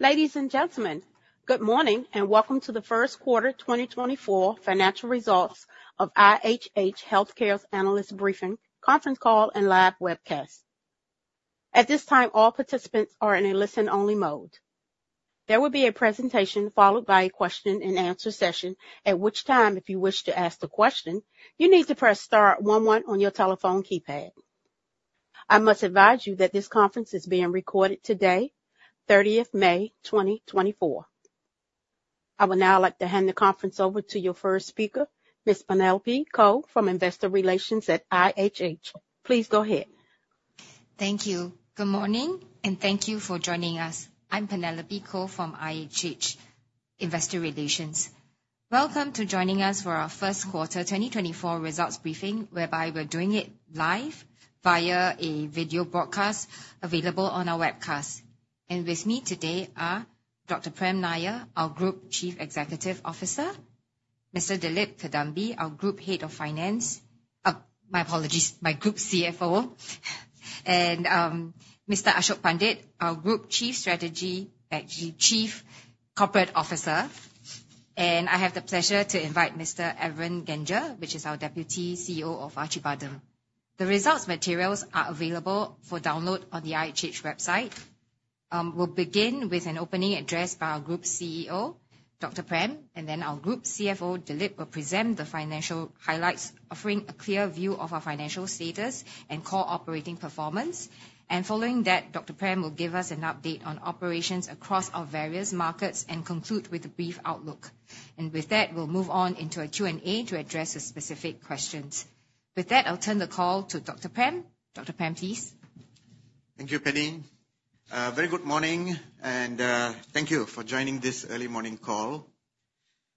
Ladies and gentlemen, good morning, and welcome to the first quarter 2024 financial results of IHH Healthcare's analyst briefing, conference call, and live webcast. At this time, all participants are in a listen-only mode. There will be a presentation followed by a question-and-answer session, at which time, if you wish to ask the question, you need to press star one one on your telephone keypad. I must advise you that this conference is being recorded today, thirtieth May, 2024. I would now like to hand the conference over to your first speaker, Ms. Penelope Koh, from Investor Relations at IHH. Please go ahead. Thank you. Good morning, and thank you for joining us. I'm Penelope Koh from IHH Investor Relations. Welcome to joining us for our first quarter 2024 results briefing, whereby we're doing it live via a video broadcast available on our webcast. And with me today are Dr. Prem Nair, our Group Chief Executive Officer; Mr. Dilip Kadambi, our Group Head of Finance, my apologies, my Group CFO; and Mr. Ashok Pandit, our Group Chief Strategy, actually, Chief Corporate Officer. And I have the pleasure to invite Mr. Evren Gence, which is our Deputy CEO of Acibadem. The results materials are available for download on the IHH website. We'll begin with an opening address by our Group CEO, Dr. Prem, and then our Group CFO, Dilip, will present the financial highlights, offering a clear view of our financial status and core operating performance. And following that, Dr. Prem will give us an update on operations across our various markets and conclude with a brief outlook. With that, we'll move on into a Q&A to address the specific questions. With that, I'll turn the call to Dr. Prem. Dr. Prem, please. Thank you, Penny. Very good morning, and thank you for joining this early morning call.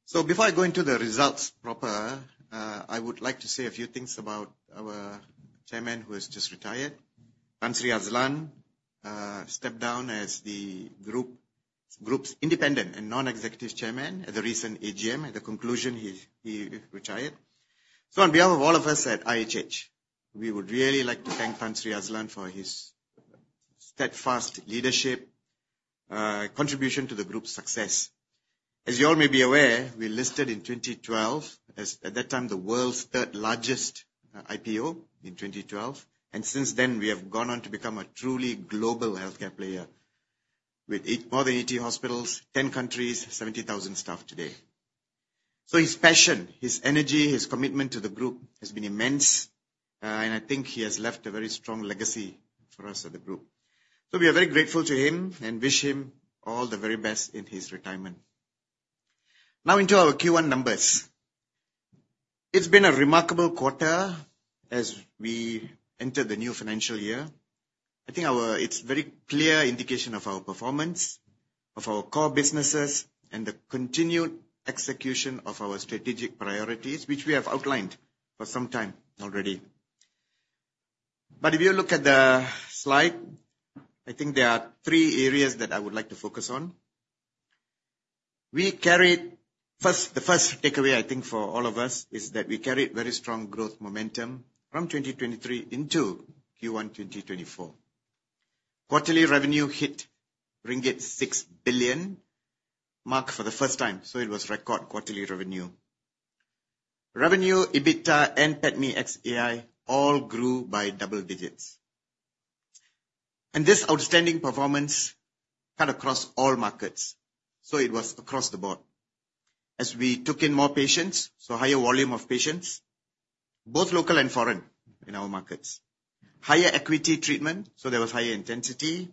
So before I go into the results proper, I would like to say a few things about our chairman, who has just retired. Tan Sri Azlan stepped down as the group's independent and non-executive chairman at the recent AGM. At the conclusion, he retired. So on behalf of all of us at IHH, we would really like to thank Tan Sri Azlan for his steadfast leadership, contribution to the group's success. As you all may be aware, we listed in 2012 as, at that time, the world's third-largest IPO in 2012, and since then, we have gone on to become a truly global healthcare player with eight... more than 80 hospitals, 10 countries, 70,000 staff today. So his passion, his energy, his commitment to the group has been immense, and I think he has left a very strong legacy for us at the group. So we are very grateful to him and wish him all the very best in his retirement. Now into our Q1 numbers. It's been a remarkable quarter as we enter the new financial year. I think it's very clear indication of our performance, of our core businesses, and the continued execution of our strategic priorities, which we have outlined for some time already. But if you look at the slide, I think there are three areas that I would like to focus on. First, the first takeaway, I think, for all of us, is that we carried very strong growth momentum from 2023 into Q1 2024. Quarterly revenue hit ringgit 6 billion mark for the first time, so it was record quarterly revenue. Revenue, EBITDA, and PATMI ex EI all grew by double digits. This outstanding performance cut across all markets, so it was across the board. As we took in more patients, so higher volume of patients, both local and foreign in our markets. Higher equity treatment, so there was higher intensity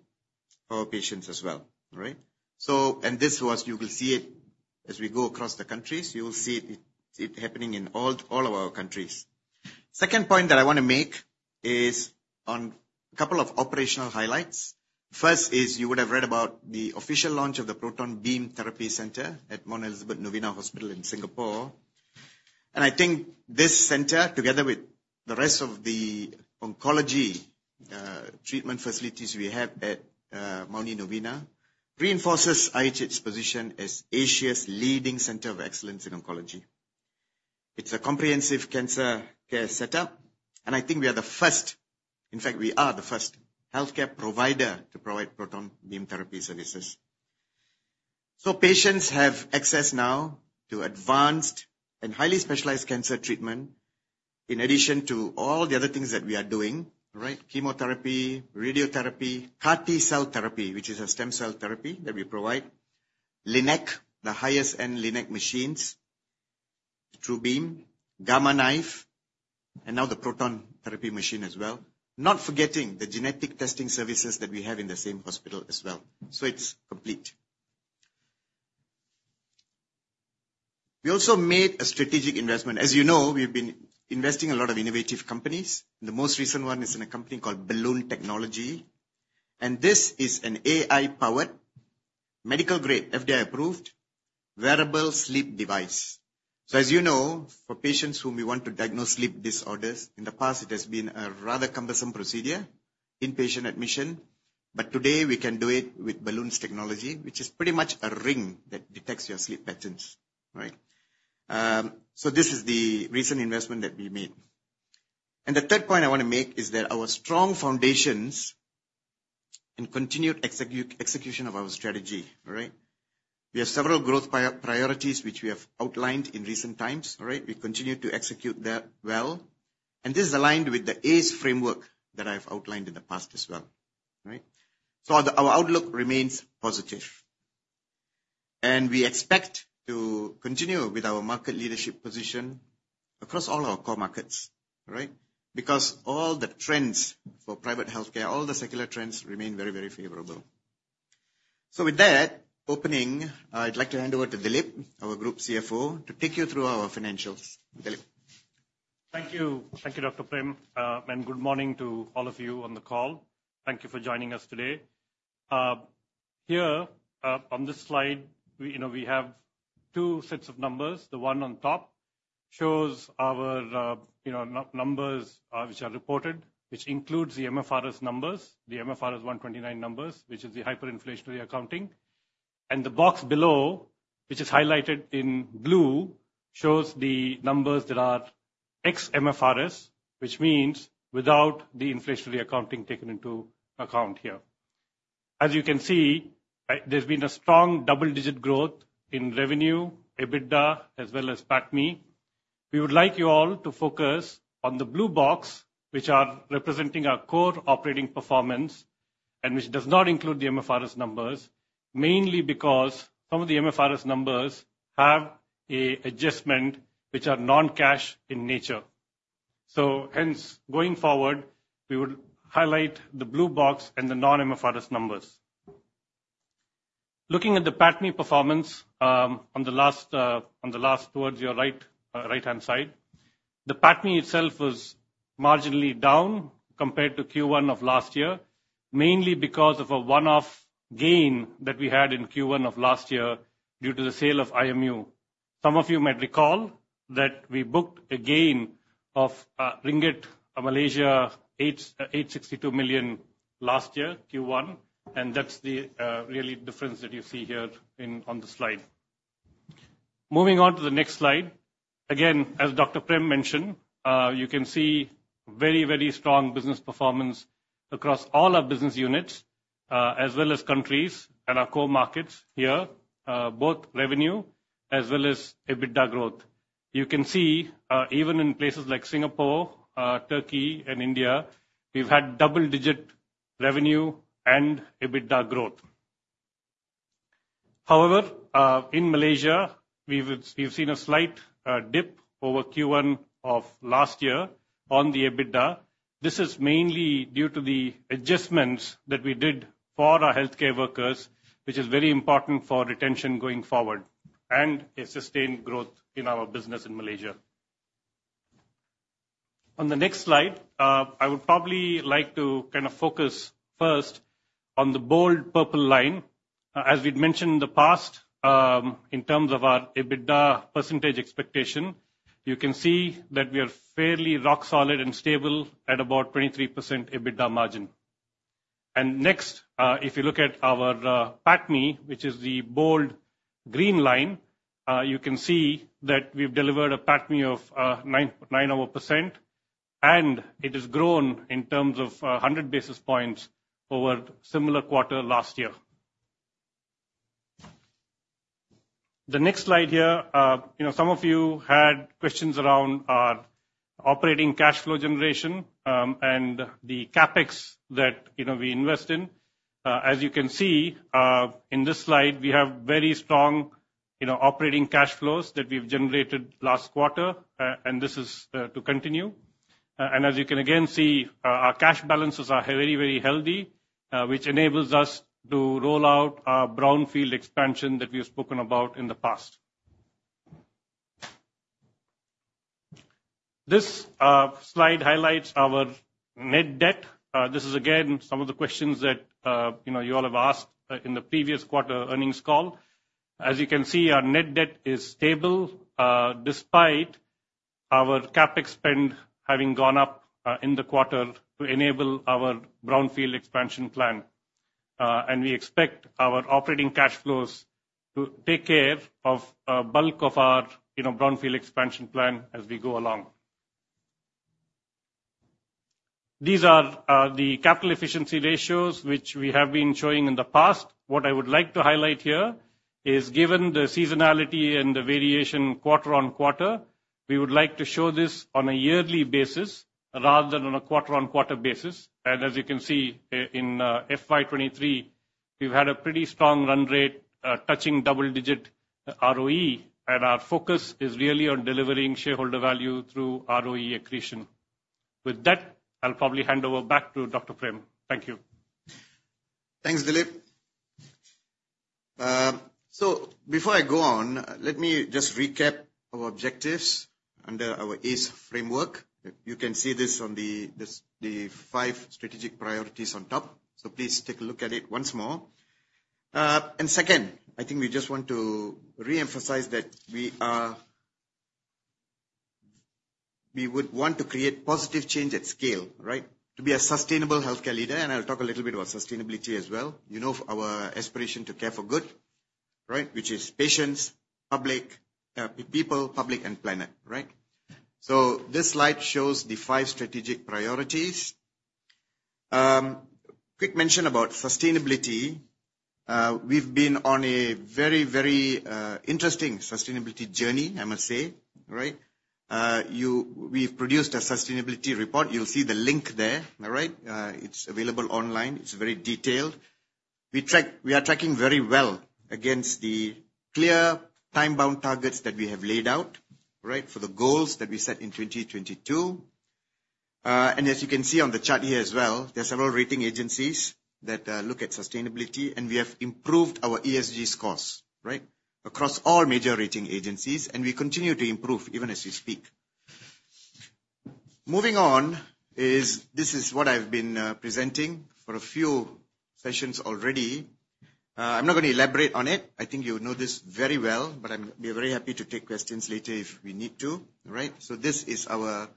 for our patients as well, all right? So, and this was, you will see it as we go across the countries, you will see it, see it happening in all, all of our countries. Second point that I want to make is on a couple of operational highlights. First is you would have read about the official launch of the Proton Beam Therapy Centre at Mount Elizabeth Novena Hospital in Singapore. I think this center, together with the rest of the oncology treatment facilities we have at Mount Elizabeth Novena, reinforces IHH's position as Asia's leading center of excellence in oncology. It's a comprehensive cancer care setup, and I think we are the first, in fact, we are the first healthcare provider to provide proton beam therapy services. So patients have access now to advanced and highly specialized cancer treatment, in addition to all the other things that we are doing, all right? Chemotherapy, radiotherapy, CAR T-cell therapy, which is a stem cell therapy that we provide, LINAC, the highest-end LINAC machines, TrueBeam, Gamma Knife, and now the proton therapy machine as well, not forgetting the genetic testing services that we have in the same hospital as well. So it's complete. We also made a strategic investment. As you know, we've been investing in a lot of innovative companies. The most recent one is in a company called Belun Technology, and this is an AI-powered, medical-grade, FDA-approved, wearable sleep device. So as you know, for patients whom we want to diagnose sleep disorders, in the past, it has been a rather cumbersome procedure, inpatient admission. But today, we can do it with Belun Technology, which is pretty much a ring that detects your sleep patterns, right? So this is the recent investment that we made. And the third point I want to make is that our strong foundations and continued execution of our strategy, all right? We have several growth priorities which we have outlined in recent times. All right? We continue to execute that well, and this is aligned with the ACE Framework that I've outlined in the past as well, right? So our outlook remains positive, and we expect to continue with our market leadership position across all our core markets, all right? Because all the trends for private healthcare, all the secular trends remain very, very favorable. So with that opening, I'd like to hand over to Dilip, our Group CFO, to take you through our financials. Dilip? Thank you. Thank you, Dr. Prem, and good morning to all of you on the call. Thank you for joining us today. Here, on this slide, we, you know, we have two sets of numbers. The one on top shows our, you know, numbers, which are reported, which includes the MFRS numbers, the MFRS 129 numbers, which is the hyperinflationary accounting. And the box below, which is highlighted in blue, shows the numbers that are ex-MFRS, which means without the inflationary accounting taken into account here. As you can see, there's been a strong double-digit growth in revenue, EBITDA, as well as PATMI. We would like you all to focus on the blue box, which are representing our core operating performance and which does not include the MFRS numbers, mainly because some of the MFRS numbers have an adjustment which are non-cash in nature. So hence, going forward, we would highlight the blue box and the non-MFRS numbers. Looking at the PATMI performance, on the last towards your right, right-hand side, the PATMI itself was marginally down compared to Q1 of last year, mainly because of a one-off gain that we had in Q1 of last year due to the sale of IMU. Some of you might recall that we booked a gain of 862 million ringgit last year, Q1, and that's the real difference that you see here in, on the slide. Moving on to the next slide. Again, as Dr. Prem mentioned, you can see very, very strong business performance across all our business units, as well as countries and our core markets here, both revenue as well as EBITDA growth. You can see, even in places like Singapore, Turkey and India, we've had double-digit revenue and EBITDA growth. However, in Malaysia, we've seen a slight dip over Q1 of last year on the EBITDA. This is mainly due to the adjustments that we did for our healthcare workers, which is very important for retention going forward, and a sustained growth in our business in Malaysia. On the next slide, I would probably like to kind of focus first on the bold purple line. As we'd mentioned in the past, in terms of our EBITDA percentage expectation, you can see that we are fairly rock solid and stable at about 23% EBITDA margin. Next, if you look at our PATMI, which is the bold green line, you can see that we've delivered a PATMI of 9.9%, and it has grown in terms of 100 basis points over similar quarter last year. The next slide here, you know, some of you had questions around our operating cash flow generation, and the CapEx that, you know, we invest in. As you can see, in this slide, we have very strong, you know, operating cash flows that we've generated last quarter, and this is to continue. As you can again see, our cash balances are very, very healthy, which enables us to roll out our brownfield expansion that we have spoken about in the past. This slide highlights our net debt. This is again, some of the questions that, you know, you all have asked, in the previous quarter earnings call. As you can see, our net debt is stable, despite our CapEx spend having gone up, in the quarter to enable our brownfield expansion plan. And we expect our operating cash flows to take care of a bulk of our, you know, brownfield expansion plan as we go along. These are the capital efficiency ratios, which we have been showing in the past. What I would like to highlight here is, given the seasonality and the variation quarter-on-quarter, we would like to show this on a yearly basis rather than on a quarter-on-quarter basis. And as you can see, in FY 2023, we've had a pretty strong run rate, touching double-digit ROE, and our focus is really on delivering shareholder value through ROE accretion. With that, I'll probably hand over back to Dr. Prem. Thank you. Thanks, Dilip. So before I go on, let me just recap our objectives under our ACE framework. You can see this on the five strategic priorities on top, so please take a look at it once more. And second, I think we just want to reemphasize that we are. We would want to create positive change at scale, right? To be a sustainable healthcare leader, and I'll talk a little bit about sustainability as well. You know, our aspiration to care for good, right, which is patients, public, people, public, and planet, right? So this slide shows the five strategic priorities. Quick mention about sustainability. We've been on a very, very interesting sustainability journey, I must say, right? We've produced a sustainability report. You'll see the link there, all right? It's available online. It's very detailed. We are tracking very well against the clear time-bound targets that we have laid out, right, for the goals that we set in 2022. And as you can see on the chart here as well, there are several rating agencies that look at sustainability, and we have improved our ESG scores, right, across all major rating agencies, and we continue to improve even as we speak. Moving on is... This is what I've been presenting for a few sessions already. I'm not going to elaborate on it. I think you know this very well, but we're very happy to take questions later if we need to, all right? So this is our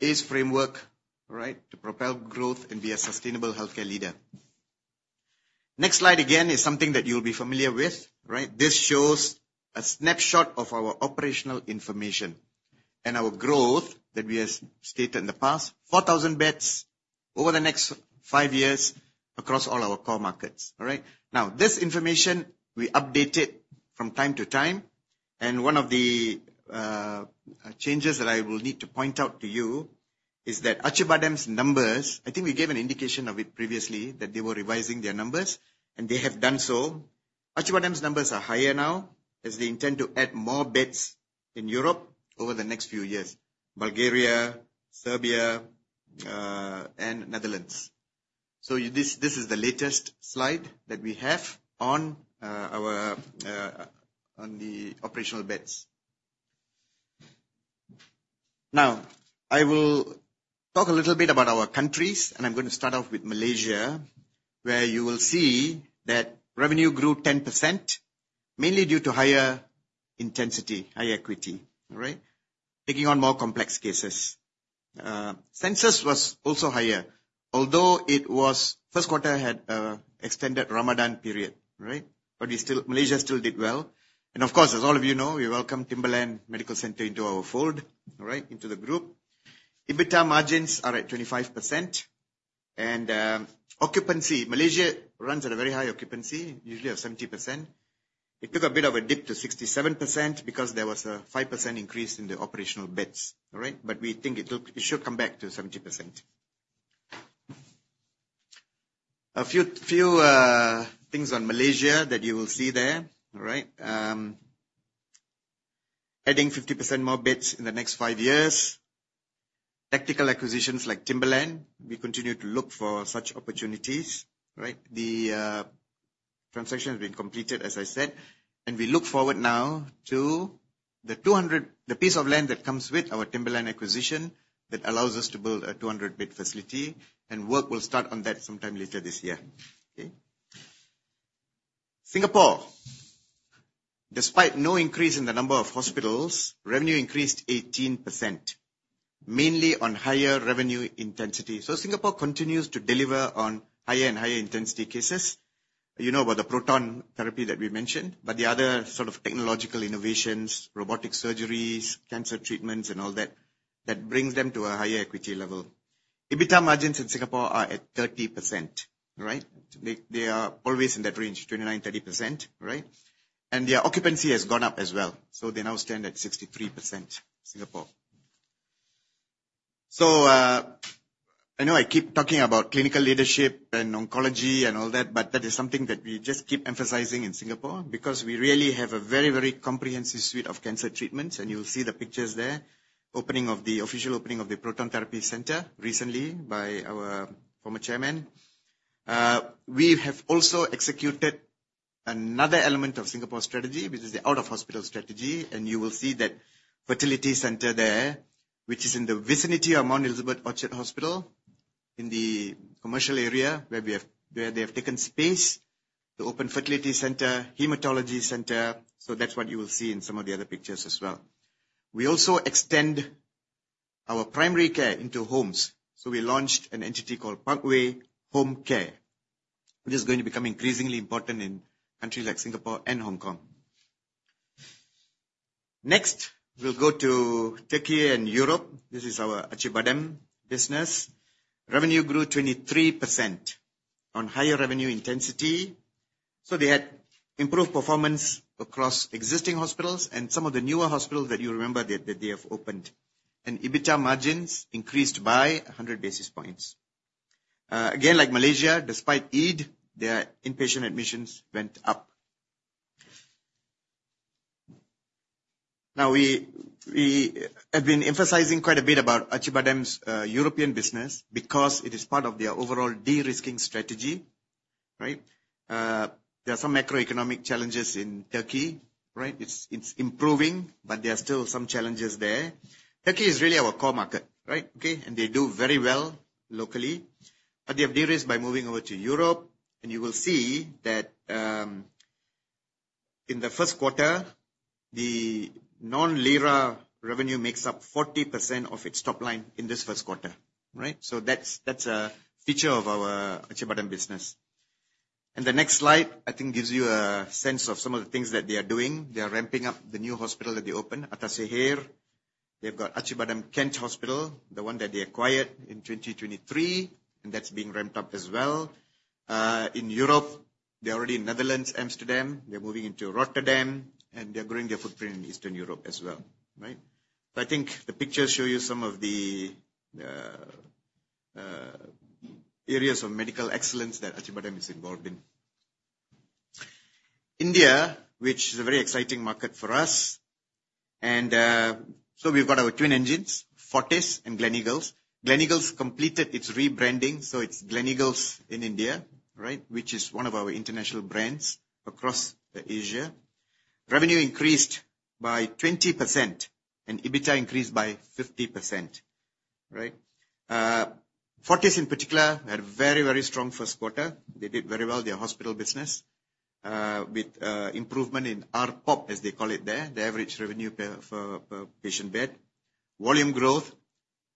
ACE Framework, right, to propel growth and be a sustainable healthcare leader. Next slide, again, is something that you'll be familiar with, right? This shows a snapshot of our operational information and our growth that we have stated in the past, 4,000 beds over the next 5 years across all our core markets. All right? Now, this information, we update it from time to time, and one of the changes that I will need to point out to you is that Acibadem's numbers, I think we gave an indication of it previously, that they were revising their numbers, and they have done so. Acibadem's numbers are higher now, as they intend to add more beds in Europe over the next few years, Bulgaria, Serbia, and Netherlands. So this, this is the latest slide that we have on, our, on the operational beds. Now, I will talk a little bit about our countries, and I'm going to start off with Malaysia, where you will see that revenue grew 10%, mainly due to higher intensity, higher acuity, all right? Taking on more complex cases. Census was also higher, although the first quarter had an extended Ramadan period, right? But Malaysia still did well. And of course, as all of you know, we welcomed Timberland Medical Centre into our fold, all right, into the group. EBITDA margins are at 25%, and occupancy, Malaysia runs at a very high occupancy, usually at 70%. It took a bit of a dip to 67% because there was a 5% increase in the operational beds, all right? But we think it should come back to 70%. A few things on Malaysia that you will see there, all right? Adding 50% more beds in the next five years. Tactical acquisitions like Timberland, we continue to look for such opportunities, right? The transaction has been completed, as I said, and we look forward now to the 200, the piece of land that comes with our Timberland acquisition that allows us to build a 200-bed facility, and work will start on that sometime later this year, okay. Singapore. Despite no increase in the number of hospitals, revenue increased 18%, mainly on higher revenue intensity. So Singapore continues to deliver on higher and higher intensity cases. You know about the proton therapy that we mentioned, but the other sort of technological innovations, robotic surgeries, cancer treatments and all that, that brings them to a higher equity level. EBITDA margins in Singapore are at 30%, right? They, they are always in that range, 29%-30%, right? And their occupancy has gone up as well, so they now stand at 63%, Singapore. So, I know I keep talking about clinical leadership and oncology and all that, but that is something that we just keep emphasizing in Singapore, because we really have a very, very comprehensive suite of cancer treatments, and you'll see the pictures there. Opening of the official opening of the Proton Therapy Centre recently by our former chairman. We have also executed another element of Singapore strategy, which is the out-of-hospital strategy, and you will see that fertility center there, which is in the vicinity of Mount Elizabeth Orchard Hospital, in the commercial area, where they have taken space to open fertility center, hematology center. So that's what you will see in some of the other pictures as well. We also extend our primary care into homes, so we launched an entity called Parkway Home Care, which is going to become increasingly important in countries like Singapore and Hong Kong. Next, we'll go to Turkey and Europe. This is our Acibadem business. Revenue grew 23% on higher revenue intensity, so they had improved performance across existing hospitals and some of the newer hospitals that you remember that, that they have opened. And EBITDA margins increased by 100 basis points. Again, like Malaysia, despite Eid, their inpatient admissions went up. Now, we have been emphasizing quite a bit about Acibadem's European business because it is part of their overall de-risking strategy, right? There are some macroeconomic challenges in Turkey, right? It's improving, but there are still some challenges there. Turkey is really our core market, right? Okay, and they do very well locally, but they have de-risked by moving over to Europe, and you will see that in the first quarter. The non-lira revenue makes up 40% of its top line in this first quarter, right? So that's, that's a feature of our Acibadem business. And the next slide, I think, gives you a sense of some of the things that they are doing. They are ramping up the new hospital that they opened, Atasehir. They've got Acibadem Kent Hospital, the one that they acquired in 2023, and that's being ramped up as well. In Europe, they're already in Netherlands, Amsterdam. They're moving into Rotterdam, and they're growing their footprint in Eastern Europe as well, right? So I think the pictures show you some of the areas of medical excellence that Acibadem is involved in. India, which is a very exciting market for us, and so we've got our twin engines, Fortis and Gleneagles. Gleneagles completed its rebranding, so it's Gleneagles in India, right, which is one of our international brands across the Asia. Revenue increased by 20%, and EBITDA increased by 50%, right? Fortis, in particular, had a very, very strong first quarter. They did very well, their hospital business, with improvement in ARPOB, as they call it there, the average revenue per patient bed, volume growth,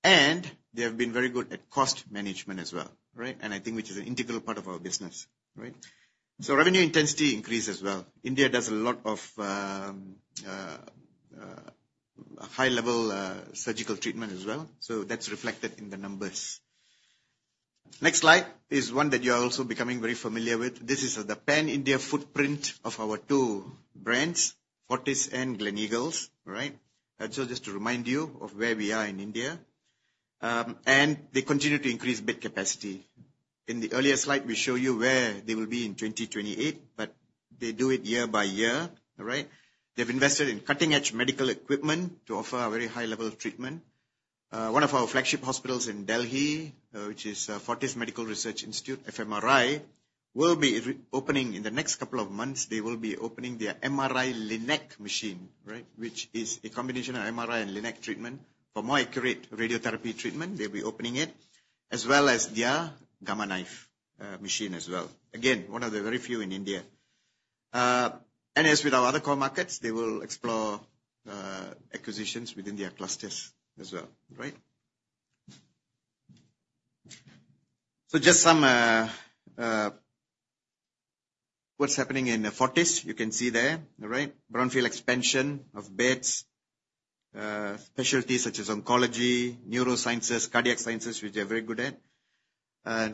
and they have been very good at cost management as well, right? And I think which is an integral part of our business, right. So revenue intensity increased as well. India does a lot of high-level surgical treatment as well, so that's reflected in the numbers. Next slide is one that you are also becoming very familiar with. This is the pan-India footprint of our two brands, Fortis and Gleneagles, right? And so just to remind you of where we are in India, and they continue to increase bed capacity. In the earlier slide, we show you where they will be in 2028, but they do it year by year, all right? They've invested in cutting-edge medical equipment to offer a very high level of treatment. One of our flagship hospitals in Delhi, which is Fortis Memorial Research Institute, FMRI, will be re-opening in the next couple of months. They will be opening their MRI LINAC machine, right, which is a combination of MRI and LINAC treatment. For more accurate radiotherapy treatment, they'll be opening it, as well as their Gamma Knife machine as well. Again, one of the very few in India. And as with our other core markets, they will explore acquisitions within their clusters as well, right? So just some of what's happening in Fortis, you can see there, all right? brownfield expansion of beds, specialties such as oncology, neurosciences, cardiac sciences, which they are very good at.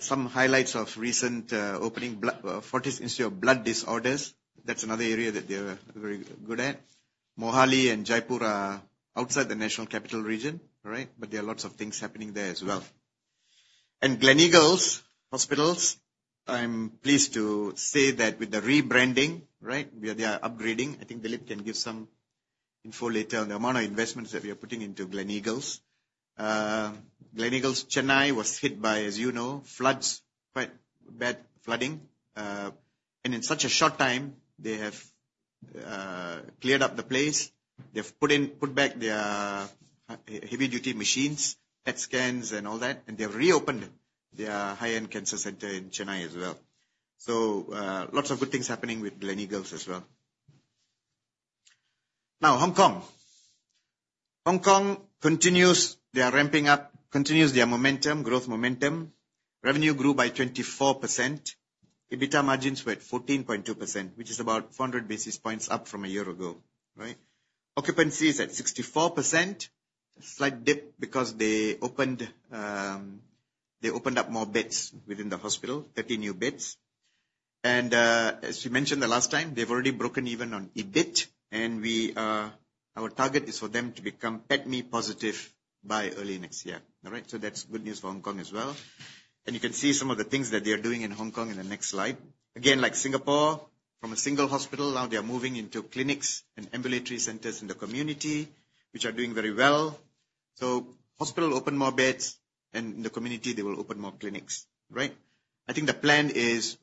Some highlights of recent opening of Fortis Institute of Blood Disorders. That's another area that they're very good at. Mohali and Jaipur are outside the national capital region, all right, but there are lots of things happening there as well. Gleneagles Hospitals, I'm pleased to say that with the rebranding, right, where they are upgrading, I think Dilip can give some info later on the amount of investments that we are putting into Gleneagles. Gleneagles Chennai was hit by, as you know, floods, quite bad flooding, and in such a short time, they have cleared up the place. They've put back their heavy-duty machines, PET scans and all that, and they've reopened their high-end cancer center in Chennai as well. So, lots of good things happening with Gleneagles as well. Now, Hong Kong. Hong Kong continues their ramping up, continues their momentum, growth momentum. Revenue grew by 24%. EBITDA margins were at 14.2%, which is about 400 basis points up from a year ago, right? Occupancy is at 64%. A slight dip because they opened, they opened up more beds within the hospital, 30 new beds. And as we mentioned the last time, they've already broken even on EBIT, and we our target is for them to become EBITDA positive by early next year. All right? So that's good news for Hong Kong as well. And you can see some of the things that they are doing in Hong Kong in the next slide. Again, like Singapore, from a single hospital, now they are moving into clinics and ambulatory centers in the community, which are doing very well. So hospital open more beds, and in the community, they will open more clinics, right? I think the plan is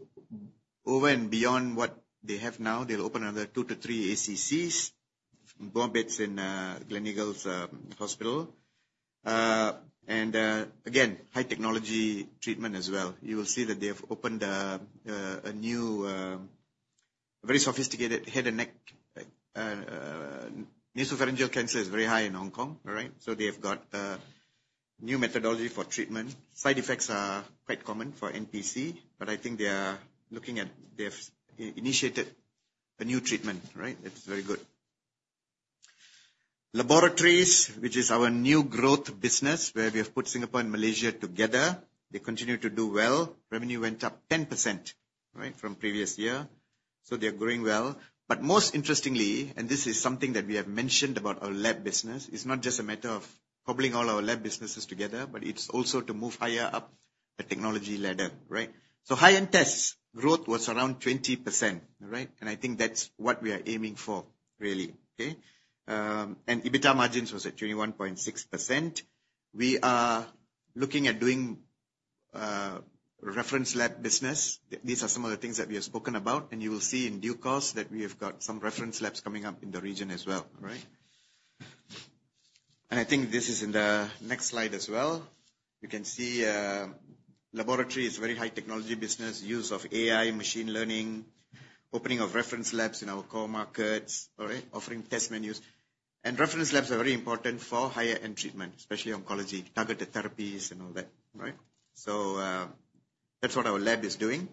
over and beyond what they have now. They'll open another 2-3 ACCs, more beds in Gleneagles Hospital. Again, high technology treatment as well. You will see that they have opened a new very sophisticated head and neck... Nasopharyngeal cancer is very high in Hong Kong, all right? So they've got a new methodology for treatment. Side effects are quite common for NPC, but I think they are looking at – they have initiated a new treatment, right? That's very good. Laboratories, which is our new growth business, where we have put Singapore and Malaysia together, they continue to do well. Revenue went up 10%, right, from previous year, so they're growing well. But most interestingly, and this is something that we have mentioned about our lab business, it's not just a matter of cobbling all our lab businesses together, but it's also to move higher up the technology ladder, right? So high-end tests, growth was around 20%, all right? And I think that's what we are aiming for, really, okay? And EBITDA margins was at 21.6%. We are looking at doing reference lab business. These are some of the things that we have spoken about, and you will see in due course that we have got some reference labs coming up in the region as well, right? And I think this is in the next slide as well. You can see, laboratory is very high technology business, use of AI, machine learning, opening of reference labs in our core markets, all right? Offering test menus. And reference labs are very important for higher end treatment, especially oncology, targeted therapies and all that, right? So, that's what our lab is doing.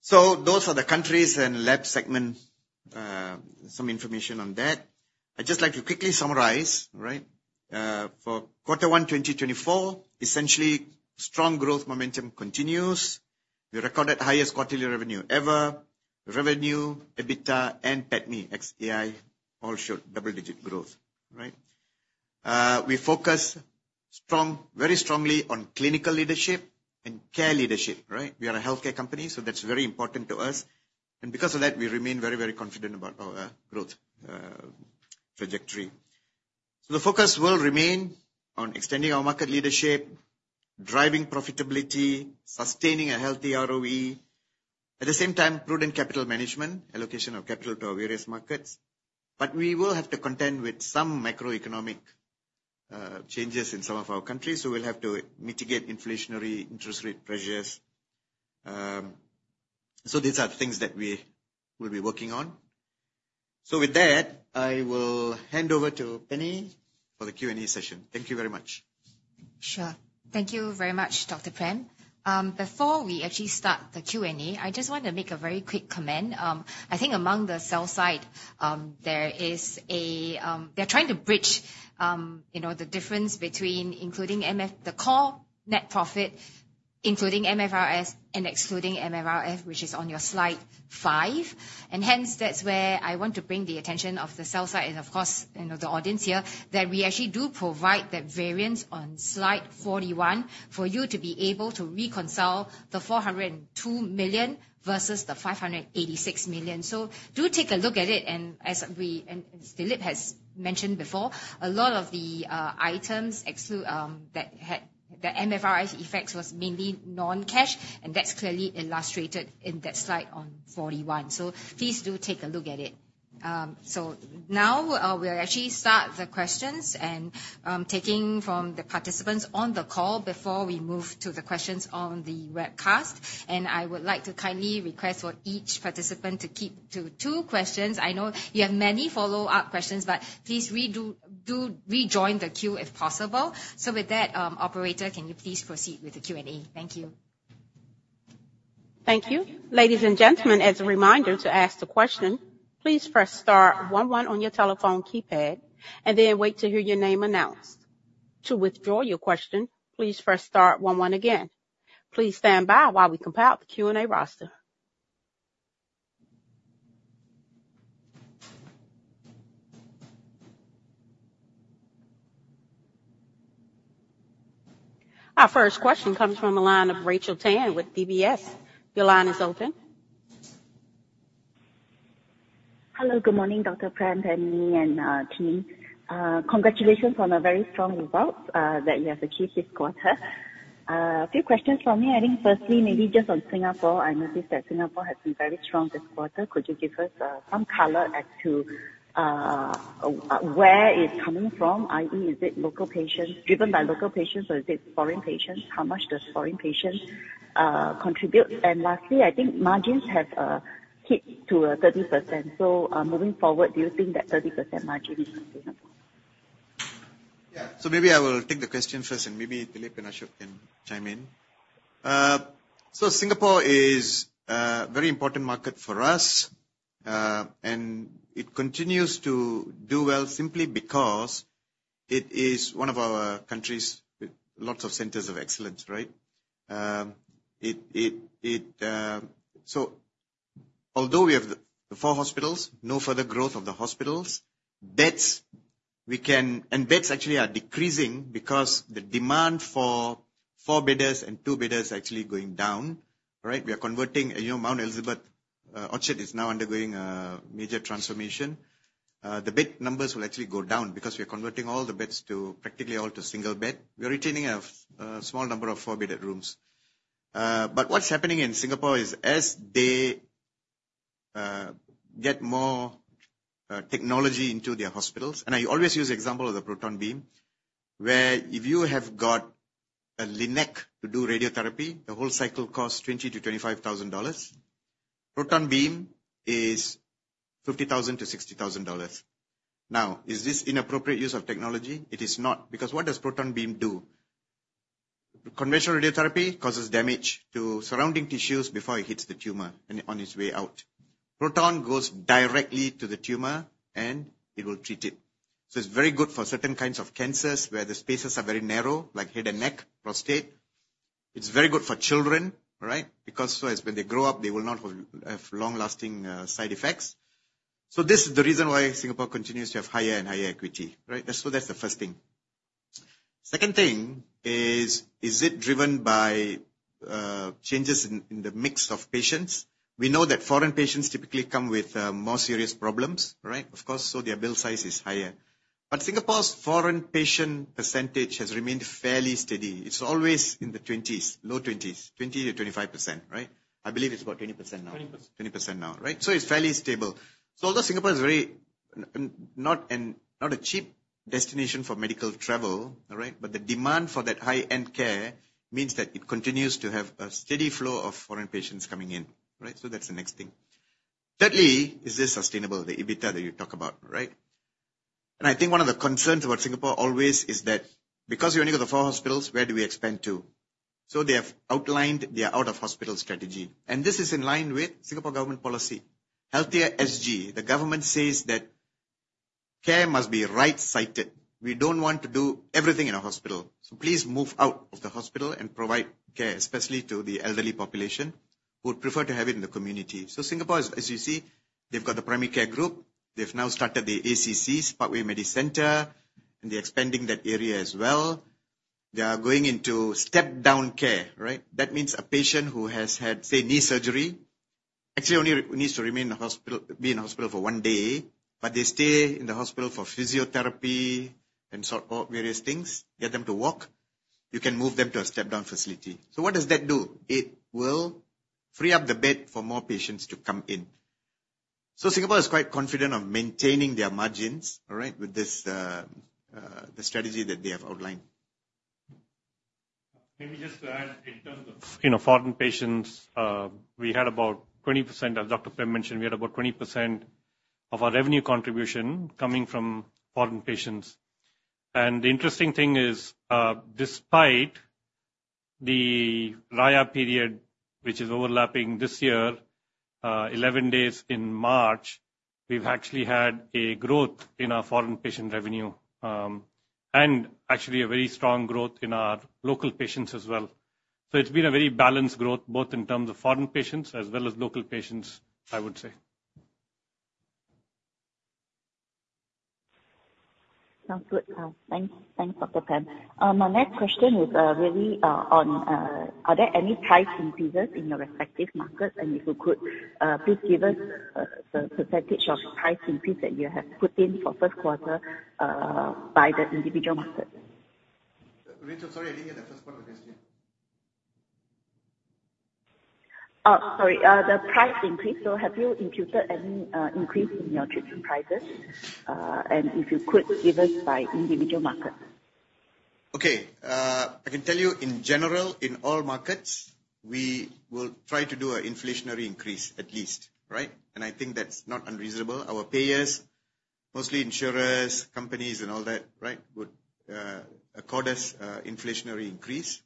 So those are the countries and lab segment, some information on that. I'd just like to quickly summarize, right? For quarter 1, 2024, essentially, strong growth momentum continues. We recorded highest quarterly revenue ever. Revenue, EBITDA and PATMI ex EI all showed double-digit growth, right? We focus very strongly on clinical leadership and care leadership, right? We are a healthcare company, so that's very important to us, and because of that, we remain very, very confident about our growth trajectory. So the focus will remain on extending our market leadership, driving profitability, sustaining a healthy ROE. At the same time, prudent capital management, allocation of capital to our various markets, but we will have to contend with some macroeconomic changes in some of our countries, so we'll have to mitigate inflationary interest rate pressures. So these are the things that we will be working on. With that, I will hand over to Penny for the Q&A session. Thank you very much. Sure. Thank you very much, Dr. Prem. Before we actually start the Q&A, I just want to make a very quick comment. I think among the sell side, there is, they're trying to bridge, you know, the difference between including MFRS, the core net profit, including MFRS and excluding MFRS, which is on your slide 5. Hence, that's where I want to bring the attention of the sell side and, of course, you know, the audience here, that we actually do provide that variance on slide 41 for you to be able to reconcile the 402 million versus the 586 million. So do take a look at it, and as we, and Dilip has mentioned before, a lot of the items that had the MFRS effects was mainly non-cash, and that's clearly illustrated in that slide on 41. So please do take a look at it. So now, we'll actually start the questions and taking from the participants on the call before we move to the questions on the webcast. And I would like to kindly request for each participant to keep to two questions. I know you have many follow-up questions, but please do rejoin the queue, if possible. So with that, operator, can you please proceed with the Q&A? Thank you. Thank you. Ladies and gentlemen, as a reminder, to ask the question, please press star one one on your telephone keypad, and then wait to hear your name announced. To withdraw your question, please press star one one again. Please stand by while we compile the Q&A roster. Our first question comes from a line of Rachel Tan with DBS. Your line is open. Hello, good morning, Dr. Prem, Penelope and team. Congratulations on a very strong result that you have achieved this quarter. A few questions from me. I think firstly, maybe just on Singapore, I noticed that Singapore has been very strong this quarter. Could you give us some color as to where it's coming from, i.e., is it driven by local patients, or is it foreign patients? How much do foreign patients contribute? And lastly, I think margins have hit 30%. So, moving forward, do you think that 30% margin is sustainable? Yeah. So maybe I will take the question first, and maybe Dilip and Ashok can chime in. So Singapore is a very important market for us, and it continues to do well simply because it is one of our countries with lots of centers of excellence, right? So although we have the four hospitals, no further growth of the hospitals beds, and beds actually are decreasing because the demand for four bedders and two bedders is actually going down, right? We are converting, you know, Mount Elizabeth Orchard is now undergoing a major transformation. The bed numbers will actually go down because we are converting all the beds to practically all to single bed. We are retaining a small number of four-bedder rooms. But what's happening in Singapore is, as they get more technology into their hospitals, and I always use the example of the proton beam, where if you have got a LINAC to do radiotherapy, the whole cycle costs 20,000-25,000 dollars. Proton beam is 50,000-60,000 dollars. Now, is this inappropriate use of technology? It is not, because what does proton beam do? Conventional radiotherapy causes damage to surrounding tissues before it hits the tumor on its way out. Proton goes directly to the tumor, and it will treat it. So it's very good for certain kinds of cancers where the spaces are very narrow, like head and neck, prostate. It's very good for children, all right? Because so as when they grow up, they will not have long-lasting side effects. So this is the reason why Singapore continues to have higher and higher equity, right? So that's the first thing. Second thing is, is it driven by changes in the mix of patients? We know that foreign patients typically come with more serious problems, right? Of course, so their bill size is higher. But Singapore's foreign patient percentage has remained fairly steady. It's always in the 20s, low 20s, 20%-25%, right? I believe it's about 20% now. 2%. 20% now, right? So it's fairly stable. So although Singapore is not a cheap destination for medical travel, all right? But the demand for that high-end care means that it continues to have a steady flow of foreign patients coming in, right? So that's the next thing. Thirdly, is this sustainable, the EBITDA that you talk about, right? And I think one of the concerns about Singapore always is that because we only got the four hospitals, where do we expand to? So they have outlined their out-of-hospital strategy, and this is in line with Singapore government policy. Healthier SG, the government says that care must be right-sited. We don't want to do everything in a hospital, so please move out of the hospital and provide care, especially to the elderly population, who would prefer to have it in the community. So Singapore, as you see, they've got the primary care group. They've now started the ACC, Parkway MediCentre, and they're expanding that area as well. They are going into step-down care, right? That means a patient who has had, say, knee surgery, actually only needs to remain in the hospital, be in the hospital for one day, but they stay in the hospital for physiotherapy and sort out various things, get them to walk. You can move them to a step-down facility. So what does that do? It will free up the bed for more patients to come in. So Singapore is quite confident of maintaining their margins, all right, with this, the strategy that they have outlined. Maybe just to add, in terms of, you know, foreign patients, we had about 20%, as Dr. Prem mentioned, we had about 20% of our revenue contribution coming from foreign patients. And the interesting thing is, despite the Raya period, which is overlapping this year, 11 days in March, we've actually had a growth in our foreign patient revenue, and actually a very strong growth in our local patients as well. So it's been a very balanced growth, both in terms of foreign patients as well as local patients, I would say. Sounds good. Thanks. Thanks, Dr. Prem. My next question is really on, are there any price increases in your respective markets? And if you could please give us the percentage of price increase that you have put in for first quarter by the individual market. Rachel, sorry, I didn't hear the first part of the question. Sorry, the price increase. So have you imputed any increase in your treatment prices? And if you could, give us by individual market. Okay. I can tell you in general, in all markets, we will try to do an inflationary increase at least, right? And I think that's not unreasonable. Our payers, mostly insurers, companies and all that, right, would accord us inflationary increase.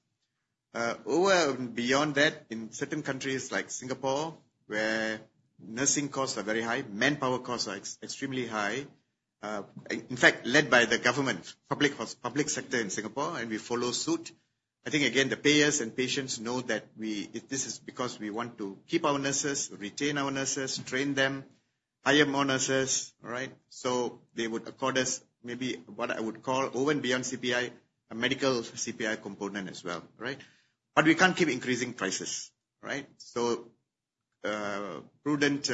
Over and beyond that, in certain countries like Singapore, where nursing costs are very high, manpower costs are extremely high, in fact, led by the government, public sector in Singapore, and we follow suit. I think again, the payers and patients know that this is because we want to keep our nurses, retain our nurses, train them, hire more nurses, all right? So they would accord us maybe what I would call over and beyond CPI, a medical CPI component as well, right? But we can't keep increasing prices, right? So, prudent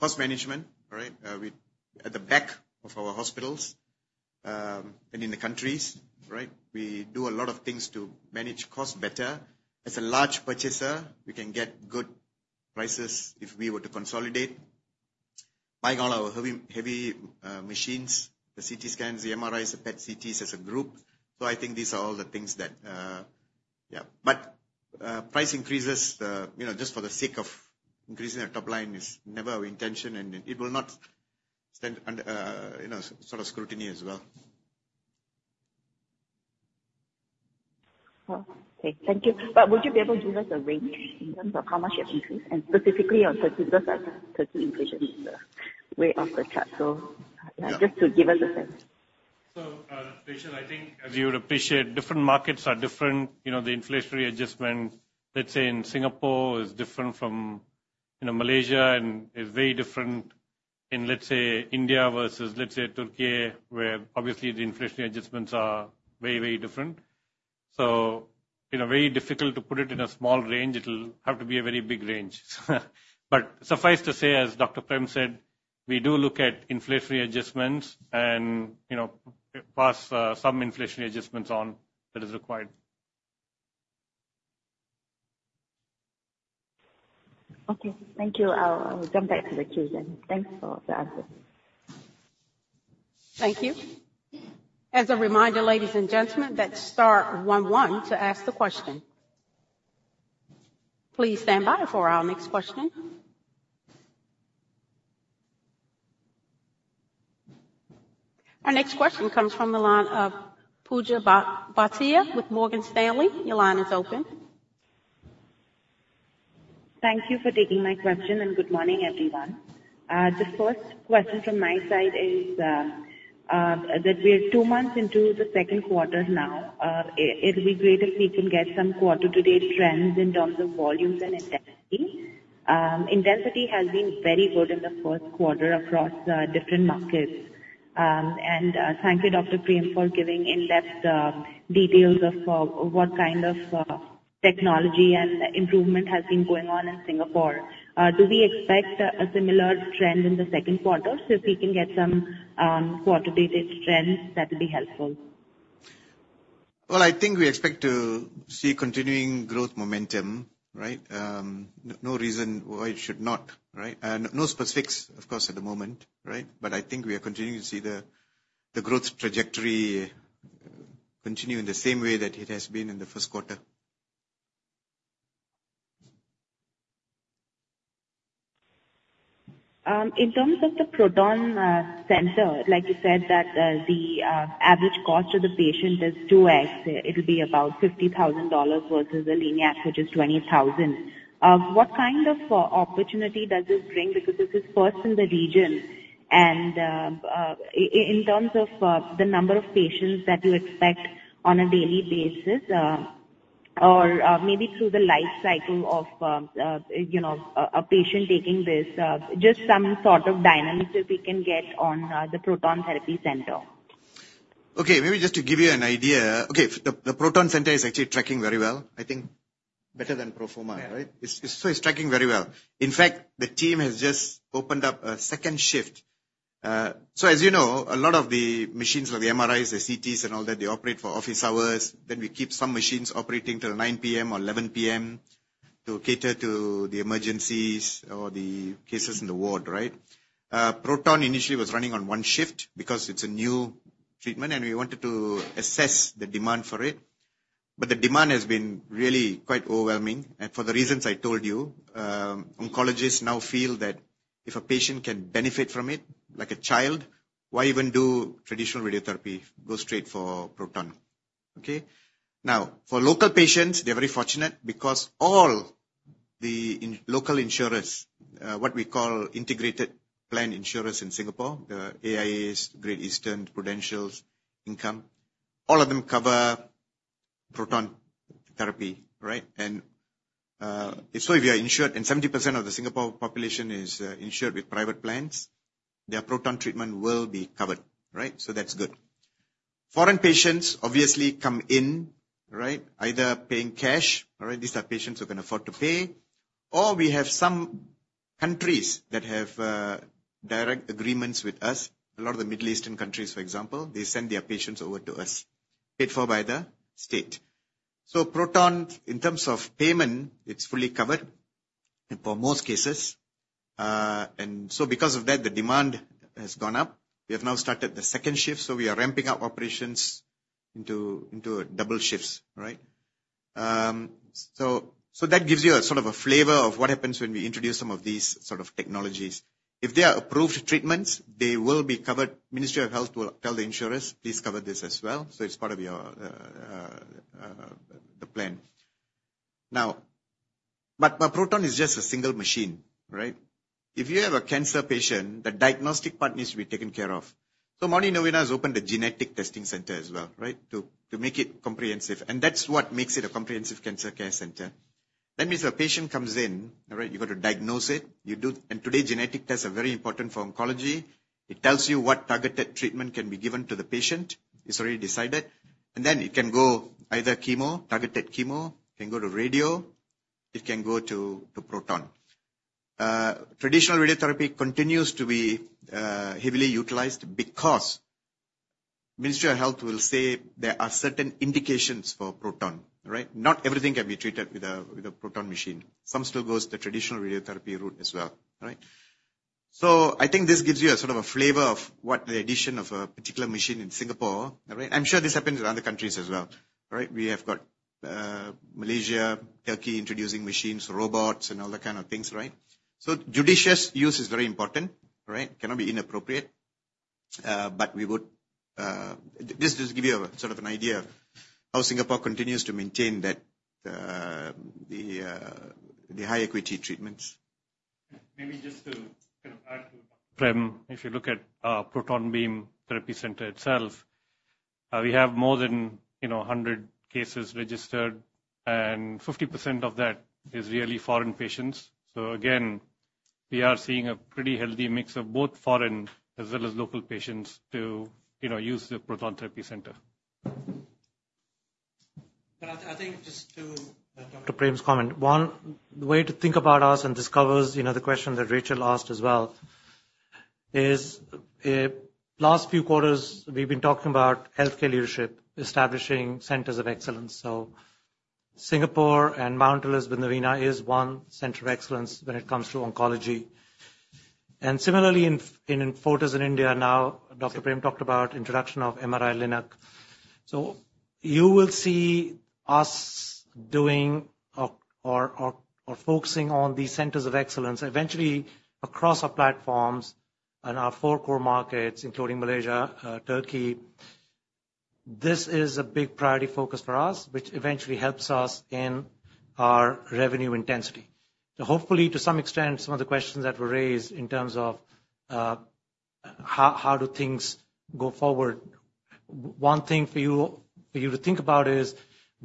cost management, right, we at the back of our hospitals, and in the countries, right, we do a lot of things to manage costs better. As a large purchaser, we can get good prices if we were to consolidate, buying all our heavy, heavy machines, the CT scans, the MRIs, the PET CTs as a group. So I think these are all the things that... Yeah, but price increases, you know, just for the sake of increasing our top line is never our intention, and it will not stand under, you know, sort of scrutiny as well. Well, okay, thank you. But would you be able to give us a range in terms of how much you have increased, and specifically on Turkey? Because, Turkey inflation is, way off the chart, so just to give us a sense. So, Rachel, I think as you would appreciate, different markets are different. You know, the inflationary adjustment, let's say, in Singapore is different from, you know, Malaysia and is very different in, let's say, India versus, let's say, Turkey, where obviously the inflationary adjustments are very, very different. So, you know, very difficult to put it in a small range. It'll have to be a very big range. But suffice to say, as Dr. Prem said, we do look at inflationary adjustments and, you know, pass some inflationary adjustments on that is required. Okay. Thank you. I'll, I'll come back to the queue then. Thanks for, for answering. Thank you. As a reminder, ladies and gentlemen, that's star one one to ask the question. Please stand by for our next question. Our next question comes from the line of Pooja Bhatia with Morgan Stanley. Your line is open. Thank you for taking my question, and good morning, everyone. The first question from my side is that we are two months into the second quarter now. It'd be great if we can get some quarter-to-date trends in terms of volumes and intensity. Intensity has been very good in the first quarter across different markets. Thank you, Dr. Prem, for giving in-depth details of what kind of technology and improvement has been going on in Singapore. Do we expect a similar trend in the second quarter? If we can get some quarter-to-date trends, that will be helpful.... Well, I think we expect to see continuing growth momentum, right? No, no reason why it should not, right? No specifics, of course, at the moment, right? But I think we are continuing to see the growth trajectory continue in the same way that it has been in the first quarter. In terms of the proton center, like you said, that, the average cost to the patient is 2x. It'll be about $50,000 versus a LINAC, which is $20,000. What kind of opportunity does this bring? Because this is first in the region. In terms of the number of patients that you expect on a daily basis, or maybe through the life cycle of, you know, a patient taking this, just some sort of dynamics that we can get on the proton therapy center. Okay, maybe just to give you an idea. Okay, the proton center is actually tracking very well, I think better than pro forma, right? Yeah. So it's tracking very well. In fact, the team has just opened up a second shift. So as you know, a lot of the machines, like the MRIs, the CTs and all that, they operate for office hours. Then we keep some machines operating till 9:00 P.M. or 11:00 P.M. to cater to the emergencies or the cases in the ward, right? Proton initially was running on one shift because it's a new treatment, and we wanted to assess the demand for it, but the demand has been really quite overwhelming. And for the reasons I told you, oncologists now feel that if a patient can benefit from it, like a child, why even do traditional radiotherapy? Go straight for proton. Okay? Now, for local patients, they're very fortunate because all the local insurers, what we call integrated plan insurers in Singapore, the AIA, Great Eastern, Prudential, Income, all of them cover proton therapy, right? And, so if you are insured, and 70% of the Singapore population is, insured with private plans, their proton treatment will be covered, right? So that's good. Foreign patients obviously come in, right, either paying cash, all right, these are patients who can afford to pay, or we have some countries that have, direct agreements with us. A lot of the Middle Eastern countries, for example, they send their patients over to us, paid for by the state. So proton, in terms of payment, it's fully covered for most cases. And so because of that, the demand has gone up. We have now started the second shift, so we are ramping up operations into, into double shifts, right? So, so that gives you a sort of a flavor of what happens when we introduce some of these sort of technologies. If they are approved treatments, they will be covered. Ministry of Health will tell the insurers, "Please cover this as well, so it's part of your, the plan." Now, but proton is just a single machine, right? If you have a cancer patient, the diagnostic part needs to be taken care of. So Mount Elizabeth Novena has opened a genetic testing center as well, right, to, to make it comprehensive, and that's what makes it a comprehensive cancer care center. That means if a patient comes in, all right, you've got to diagnose it. And today, genetic tests are very important for oncology. It tells you what targeted treatment can be given to the patient. It's already decided. And then it can go either chemo, targeted chemo, it can go to radio, it can go to, to proton. Traditional radiotherapy continues to be heavily utilized because Ministry of Health will say there are certain indications for proton, right? Not everything can be treated with a, with a proton machine. Some still goes the traditional radiotherapy route as well, right? So I think this gives you a sort of a flavor of what the addition of a particular machine in Singapore, all right? I'm sure this happens in other countries as well, right? We have got Malaysia, Turkey, introducing machines, robots, and all that kind of things, right? So judicious use is very important, right? Cannot be inappropriate. But we would... Just to give you a sort of an idea of how Singapore continues to maintain that, the high acuity treatments. Maybe just to kind of add to Prem, if you look at, proton beam therapy center itself, we have more than, you know, 100 cases registered, and 50% of that is really foreign patients. So again, we are seeing a pretty healthy mix of both foreign as well as local patients to, you know, use the proton therapy center. But I think just to Dr. Prem's comment, one way to think about us and discovers, you know, the question that Rachel asked as well, is last few quarters, we've been talking about healthcare leadership, establishing centers of excellence. So Singapore and Mount Elizabeth Novena is one center of excellence when it comes to oncology. And similarly, in Fortis in India now, Dr. Prem talked about introduction of MRI LINAC. So you will see us doing or focusing on these centers of excellence eventually across our platforms and our four core markets, including Malaysia, Turkey. This is a big priority focus for us, which eventually helps us in our revenue intensity. Hopefully, to some extent, some of the questions that were raised in terms of how do things go forward, one thing for you to think about is: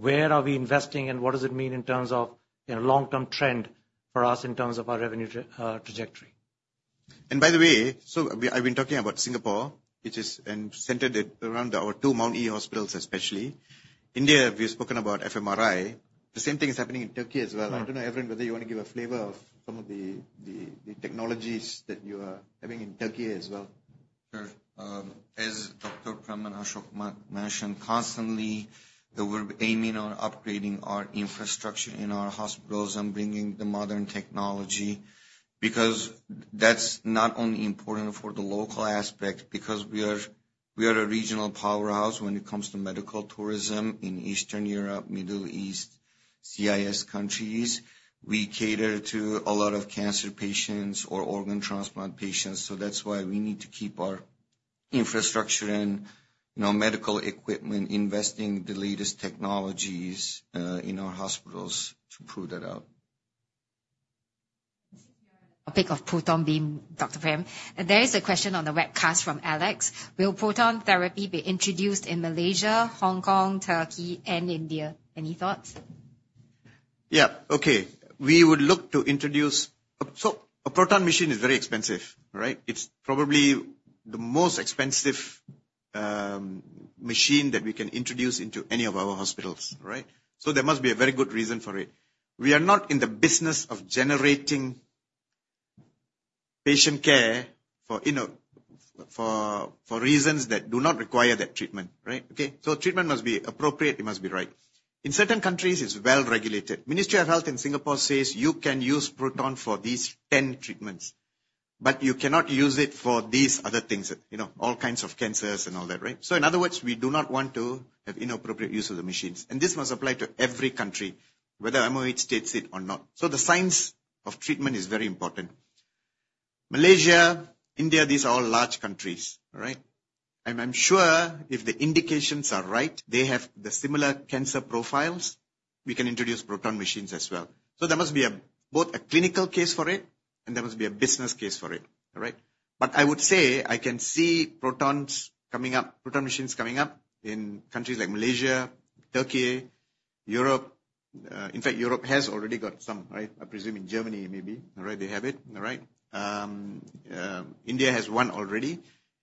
where are we investing, and what does it mean in terms of, you know, long-term trend for us in terms of our revenue trajectory? And by the way, I've been talking about Singapore, which is, and centered it around our two Mount E hospitals, especially. India, we've spoken about MRI. The same thing is happening in Turkey as well. I don't know, Evren, whether you want to give a flavor of some of the technologies that you are having in Turkey as well.... Sure, as Dr. Prem and Ashok mentioned, constantly, we're aiming on upgrading our infrastructure in our hospitals and bringing the modern technology, because that's not only important for the local aspect, because we are, we are a regional powerhouse when it comes to medical tourism in Eastern Europe, Middle East, CIS countries. We cater to a lot of cancer patients or organ transplant patients, so that's why we need to keep our infrastructure and, you know, medical equipment, investing the latest technologies, in our hospitals to prove that out. I think of proton beam, Dr. Prem. There is a question on the webcast from Alex: Will proton therapy be introduced in Malaysia, Hong Kong, Turkey, and India? Any thoughts? Yeah. Okay. We would look to introduce... So a proton machine is very expensive, right? It's probably the most expensive, machine that we can introduce into any of our hospitals, all right? So there must be a very good reason for it. We are not in the business of generating patient care for, you know, for, for reasons that do not require that treatment, right? Okay, so treatment must be appropriate, it must be right. In certain countries, it's well-regulated. Ministry of Health in Singapore says you can use proton for these ten treatments, but you cannot use it for these other things that, you know, all kinds of cancers and all that, right? So in other words, we do not want to have inappropriate use of the machines, and this must apply to every country, whether MOH states it or not. So the science of treatment is very important. Malaysia, India, these are all large countries, all right? And I'm sure if the indications are right, they have the similar cancer profiles, we can introduce proton machines as well. So there must be both a clinical case for it, and there must be a business case for it, all right? But I would say, I can see protons coming up, proton machines coming up in countries like Malaysia, Turkey, Europe. In fact, Europe has already got some, right? I presume in Germany, maybe. All right, they have it, all right. India has one already,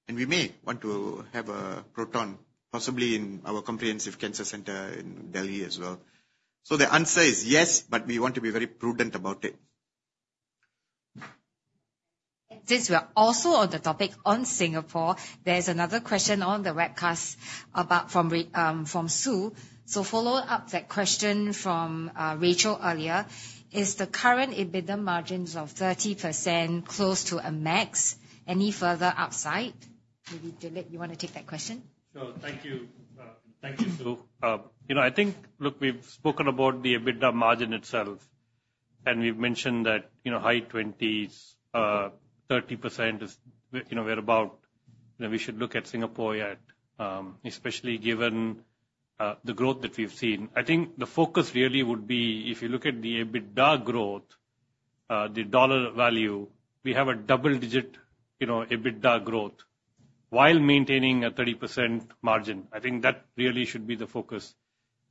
and we may want to have a proton, possibly in our comprehensive cancer center in Delhi as well. So the answer is yes, but we want to be very prudent about it. Since we are also on the topic on Singapore, there is another question on the webcast about, from Sue. So follow up that question from Rachel earlier. Is the current EBITDA margins of 30% close to a max? Any further upside? Maybe, Dilip, you want to take that question? Sure. Thank you. Thank you, Sue. You know, I think, look, we've spoken about the EBITDA margin itself, and we've mentioned that, you know, high 20s, thirty percent is, you know, we're about. You know, we should look at Singapore at, especially given, the growth that we've seen. I think the focus really would be if you look at the EBITDA growth, the dollar value, we have a double-digit, you know, EBITDA growth while maintaining a 30% margin. I think that really should be the focus.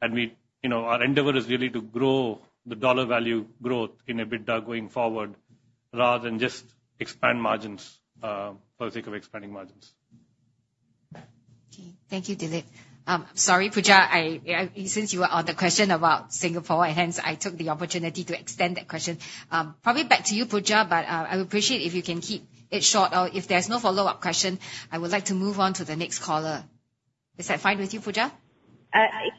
And we, you know, our endeavor is really to grow the dollar value growth in EBITDA going forward, rather than just expand margins, for the sake of expanding margins. Okay. Thank you, Dilip. Sorry, Pooja, since you were on the question about Singapore, and hence I took the opportunity to extend that question. Probably back to you, Pooja, but I would appreciate it if you can keep it short, or if there's no follow-up question, I would like to move on to the next caller. Is that fine with you, Pooja? Uh, I-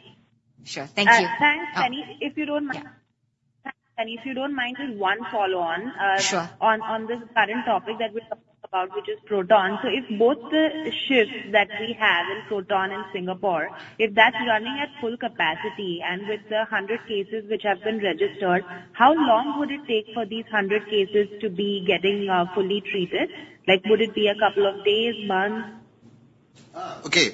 Sure. Thank you. Thanks, Penny. If you don't mind- Yeah. If you don't mind, just one follow-on. Sure... on this current topic that we talked about, which is proton. So if both the shifts that we have in proton in Singapore, if that's running at full capacity, and with the 100 cases which have been registered, how long would it take for these 100 cases to be getting fully treated? Like, would it be a couple of days, months? Okay.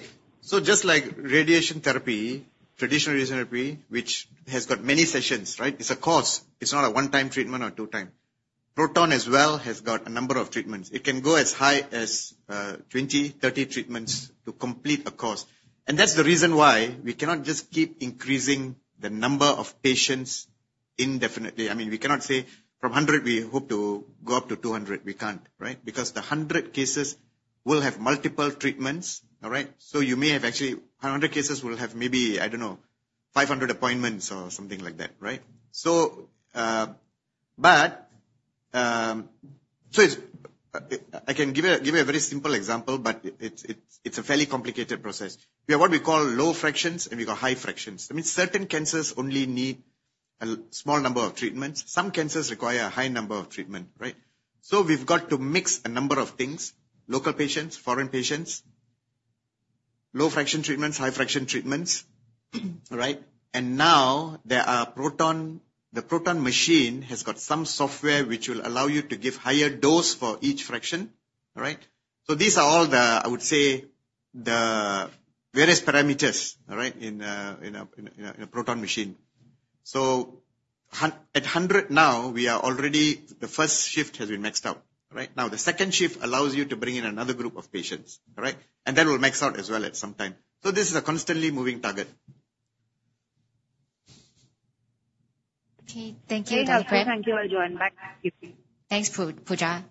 So just like radiation therapy, traditional radiation therapy, which has got many sessions, right? It's a course, it's not a one-time treatment or two-time. Proton as well has got a number of treatments. It can go as high as 20, 30 treatments to complete a course. And that's the reason why we cannot just keep increasing the number of patients indefinitely. I mean, we cannot say from 100, we hope to go up to 200. We can't, right? Because the 100 cases will have multiple treatments, all right? So you may have actually, 100 cases will have maybe, I don't know, 500 appointments or something like that, right? So it's, I can give you, give you a very simple example, but it's, it's, it's a fairly complicated process. We have what we call low fractions, and we got high fractions. I mean, certain cancers only need a small number of treatments. Some cancers require a high number of treatment, right? So we've got to mix a number of things, local patients, foreign patients, low fraction treatments, high fraction treatments, all right? And now there are proton, the proton machine has got some software which will allow you to give higher dose for each fraction, all right? So these are all the, I would say, the various parameters, all right, in a proton machine. So at 100 now, we are already, the first shift has been maxed out, all right? Now, the second shift allows you to bring in another group of patients, all right? And that will max out as well at some time. So this is a constantly moving target. Okay. Thank you, Dr. Prem. Thank you everyone. Bye. Thanks, Pooja.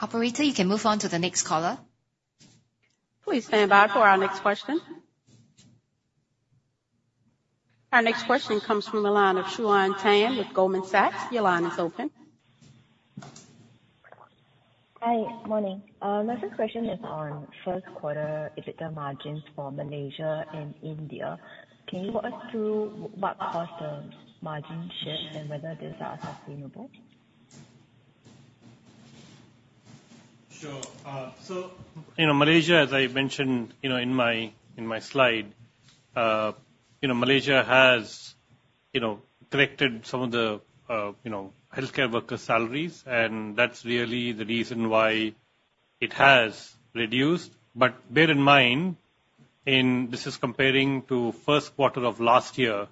Operator, you can move on to the next caller. Please stand by for our next question. Our next question comes from the line of Shuyan Tan with Goldman Sachs. Your line is open. Hi. Morning. My first question is on first quarter EBITDA margins for Malaysia and India. Can you walk us through what caused the margin shift, and whether these are sustainable? Sure. So, you know, Malaysia, as I mentioned, you know, in my, in my slide, you know, Malaysia has, you know, corrected some of the, you know, healthcare worker salaries, and that's really the reason why it has reduced. But bear in mind, this is comparing to first quarter of last year,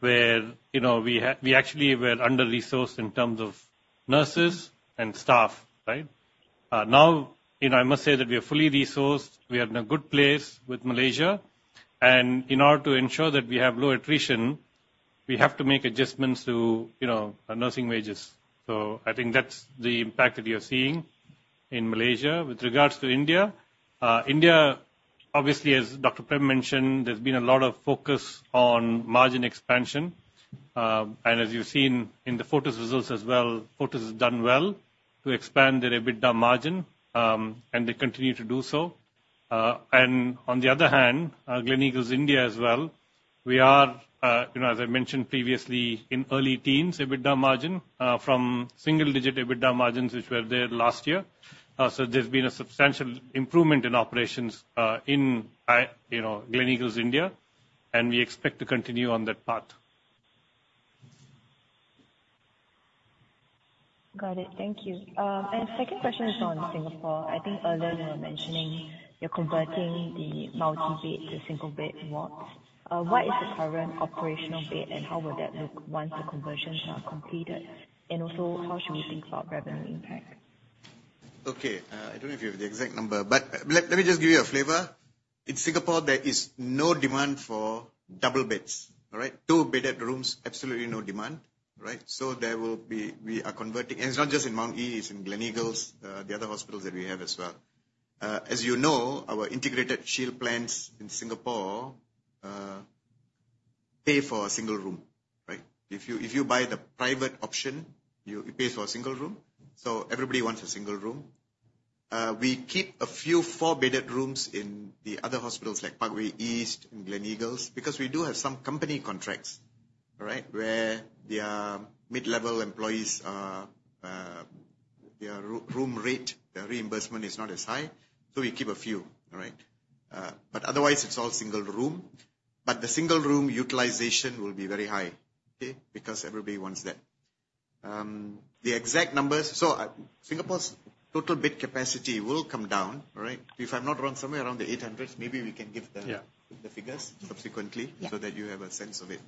where, you know, we actually were under-resourced in terms of nurses and staff, right? Now, you know, I must say that we are fully resourced. We are in a good place with Malaysia, and in order to ensure that we have low attrition, we have to make adjustments to, you know, nursing wages. So I think that's the impact that you're seeing in Malaysia. With regards to India, India, obviously, as Dr. Prem mentioned, there's been a lot of focus on margin expansion. And as you've seen in the Fortis results as well, Fortis has done well to expand their EBITDA margin, and they continue to do so. And on the other hand, Gleneagles India as well, we are, you know, as I mentioned previously, in early teens EBITDA margin, from single-digit EBITDA margins, which were there last year. So there's been a substantial improvement in operations, you know, Gleneagles India, and we expect to continue on that path. Got it. Thank you. Second question is on Singapore. I think earlier you were mentioning you're converting the multi-bed to single-bed wards. What is the current operational bed, and how will that look once the conversions are completed? And also, how should we think about revenue impact? Okay, I don't know if you have the exact number, but let me just give you a flavor. In Singapore, there is no demand for double beds, all right? Two-bedded rooms, absolutely no demand, right? So there will be. We are converting. And it's not just in Mount E, it's in Gleneagles, the other hospitals that we have as well. As you know, our Integrated Shield Plans in Singapore pay for a single room, right? If you buy the private option, it pays for a single room, so everybody wants a single room. We keep a few four-bedded rooms in the other hospitals, like Parkway East and Gleneagles, because we do have some company contracts, all right? Where their mid-level employees, their room rate, their reimbursement is not as high, so we keep a few, all right? But otherwise, it's all single room. But the single room utilization will be very high, okay? Because everybody wants that. The exact numbers... So Singapore's total bed capacity will come down, all right? If I'm not wrong, somewhere around 800. Maybe we can give the- Yeah... the figures subsequently- Yeah. so that you have a sense of it.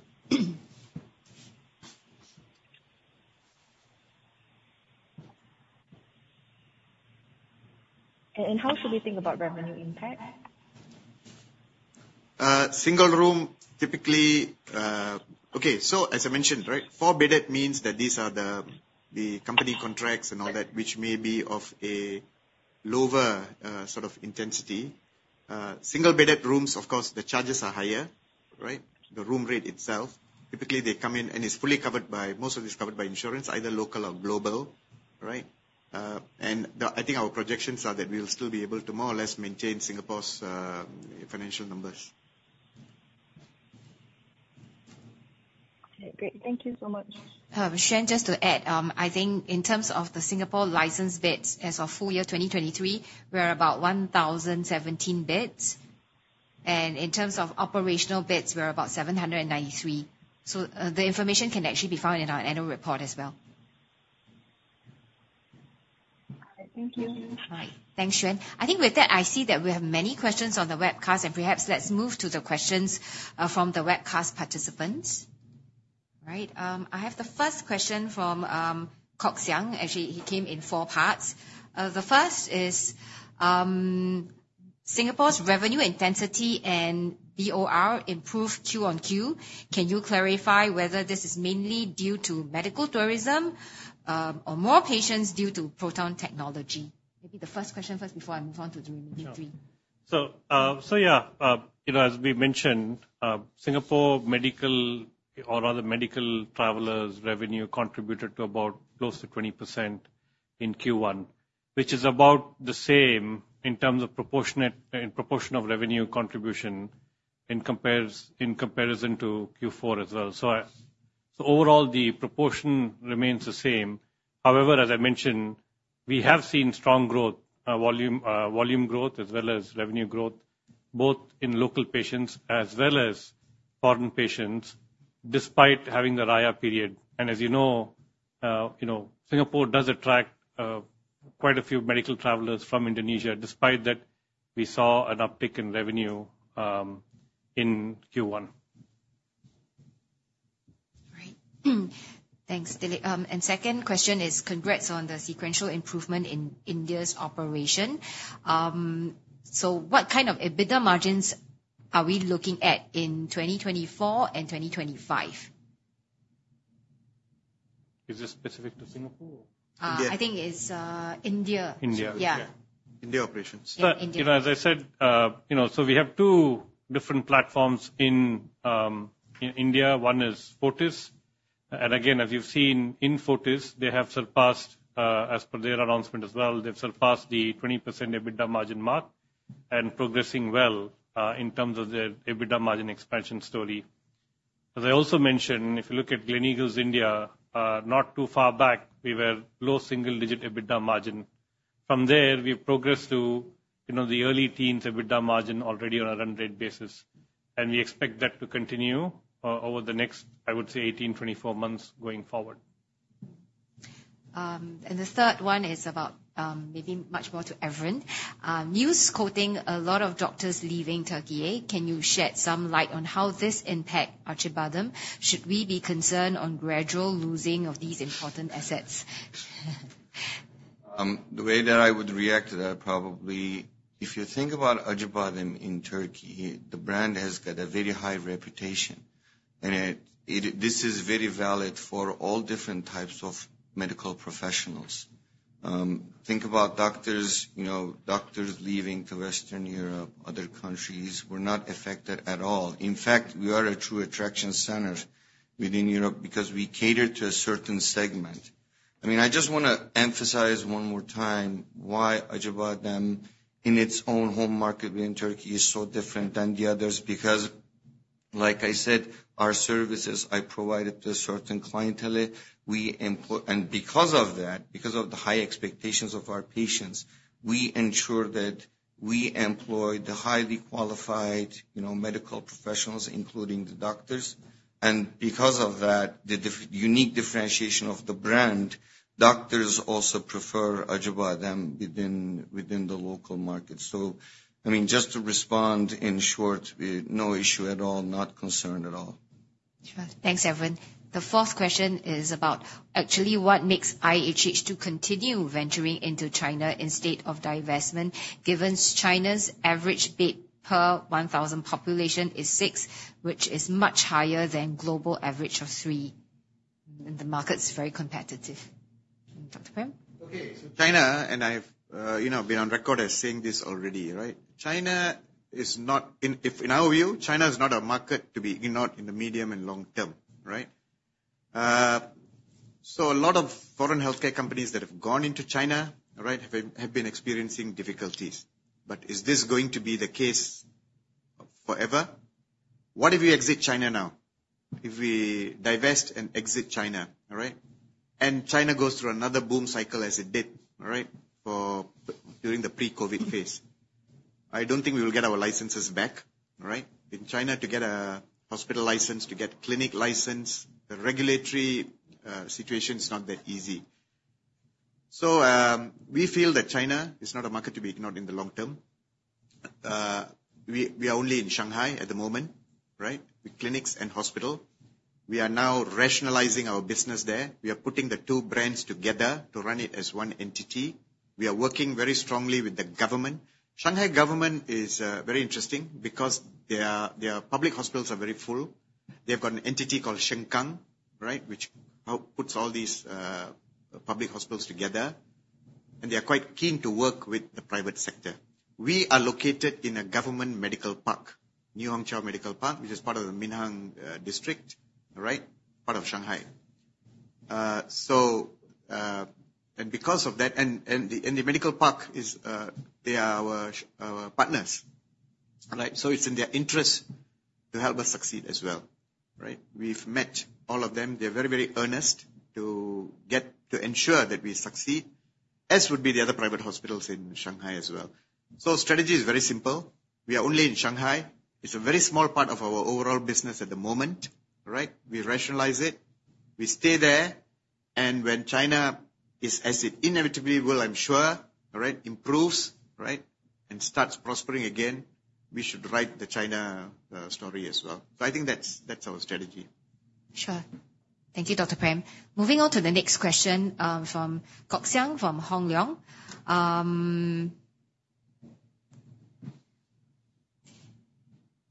How should we think about revenue impact? Single room, typically... Okay, so as I mentioned, right, four-bedded means that these are the, the company contracts and all that, which may be of a lower, sort of intensity. Single-bedded rooms, of course, the charges are higher, right? The room rate itself. Typically, they come in, and it's fully covered by, most of it is covered by insurance, either local or global, right? And the, I think our projections are that we'll still be able to more or less maintain Singapore's, financial numbers. Okay, great. Thank you so much. Shuyan, just to add, I think in terms of the Singapore licensed beds, as of full year 2023, we are about 1,017 beds, and in terms of operational beds, we're about 793. So, the information can actually be found in our annual report as well. All right. Thank you. Hi. Thanks, Shuyan. I think with that, I see that we have many questions on the webcast, and perhaps let's move to the questions from the webcast participants. Right. I have the first question from Kok Xiang. Actually, it came in four parts. The first is: Singapore's revenue intensity and BOR improved Q on Q. Can you clarify whether this is mainly due to medical tourism, or more patients due to proton technology? Maybe the first question first before I move on to the remaining three. Sure. So, so yeah, you know, as we mentioned, Singapore medical or other medical travelers' revenue contributed to about close to 20% in Q1, which is about the same in terms of proportionate, in proportion of revenue contribution in compares, in comparison to Q4 as well. So, so overall, the proportion remains the same. However, as I mentioned, we have seen strong growth, volume, volume growth as well as revenue growth, both in local patients as well as foreign patients, despite having the Raya period. And as you know, you know, Singapore does attract, quite a few medical travelers from Indonesia. Despite that, we saw an uptick in revenue, in Q1. All right. Thanks, Dilip. And second question is, congrats on the sequential improvement in India's operation. So what kind of EBITDA margins are we looking at in 2024 and 2025?... Is this specific to Singapore? I think it's India. India. Yeah. India operations. Yeah, India. But, you know, as I said, you know, so we have two different platforms in in India. One is Fortis, and again, as you've seen in Fortis, they have surpassed, as per their announcement as well, they've surpassed the 20% EBITDA margin mark and progressing well, in terms of their EBITDA margin expansion story. As I also mentioned, if you look at Gleneagles, India, not too far back, we were low single-digit EBITDA margin. From there, we've progressed to, you know, the early teens EBITDA margin already on a run rate basis, and we expect that to continue over the next, I would say, 18, 24 months going forward. The third one is about, maybe much more to Evren. News quoting a lot of doctors leaving Turkey. Can you shed some light on how this impact Acibadem? Should we be concerned on gradual losing of these important assets? The way that I would react to that, probably, if you think about Acibadem in Turkey, the brand has got a very high reputation, and it, this is very valid for all different types of medical professionals. Think about doctors, you know, doctors leaving to Western Europe, other countries, we're not affected at all. In fact, we are a true attraction center within Europe because we cater to a certain segment. I mean, I just wanna emphasize one more time why Acibadem, in its own home market in Turkey, is so different than the others, because like I said, our services are provided to a certain clientele. We employ... And because of that, because of the high expectations of our patients, we ensure that we employ the highly qualified, you know, medical professionals, including the doctors. Because of that, the unique differentiation of the brand, doctors also prefer Acibadem within the local market. So, I mean, just to respond, in short, no issue at all. Not concerned at all. Sure. Thanks, Evren. The fourth question is about actually what makes IHH to continue venturing into China instead of divestment, given China's average bed per 1,000 population is six, which is much higher than global average of three, and the market's very competitive. Dr. Prem? Okay, so China, and I've, you know, been on record as saying this already, right? China is not... In, if, in our view, China is not a market to be ignored in the medium and long term, right? So a lot of foreign healthcare companies that have gone into China, all right, have been experiencing difficulties. But is this going to be the case forever? What if we exit China now, if we divest and exit China, all right, and China goes through another boom cycle as it did, all right, for, during the pre-COVID phase? I don't think we will get our licenses back, all right? In China, to get a hospital license, to get clinic license, the regulatory situation is not that easy. So, we feel that China is not a market to be ignored in the long term. We are only in Shanghai at the moment, right? The clinics and hospital. We are now rationalizing our business there. We are putting the two brands together to run it as one entity. We are working very strongly with the government. Shanghai government is very interesting because their public hospitals are very full. They've got an entity called Shenkang, right, which puts all these public hospitals together, and they are quite keen to work with the private sector. We are located in a government medical park, New Hongqiao Medical Park, which is part of the Minhang District, all right? Part of Shanghai. So, and because of that, and the medical park is, they are our partners, all right? So it's in their interest to help us succeed as well, right? We've met all of them. They're very, very earnest to get, to ensure that we succeed, as would be the other private hospitals in Shanghai as well. So strategy is very simple. We are only in Shanghai. It's a very small part of our overall business at the moment, all right? We rationalize it, we stay there, and when China is as it inevitably will, I'm sure, all right, improves, right, and starts prospering again, we should write the China story as well. So I think that's, that's our strategy. Sure. Thank you, Dr. Prem. Moving on to the next question, from Kok Xiang, from Hong Leong.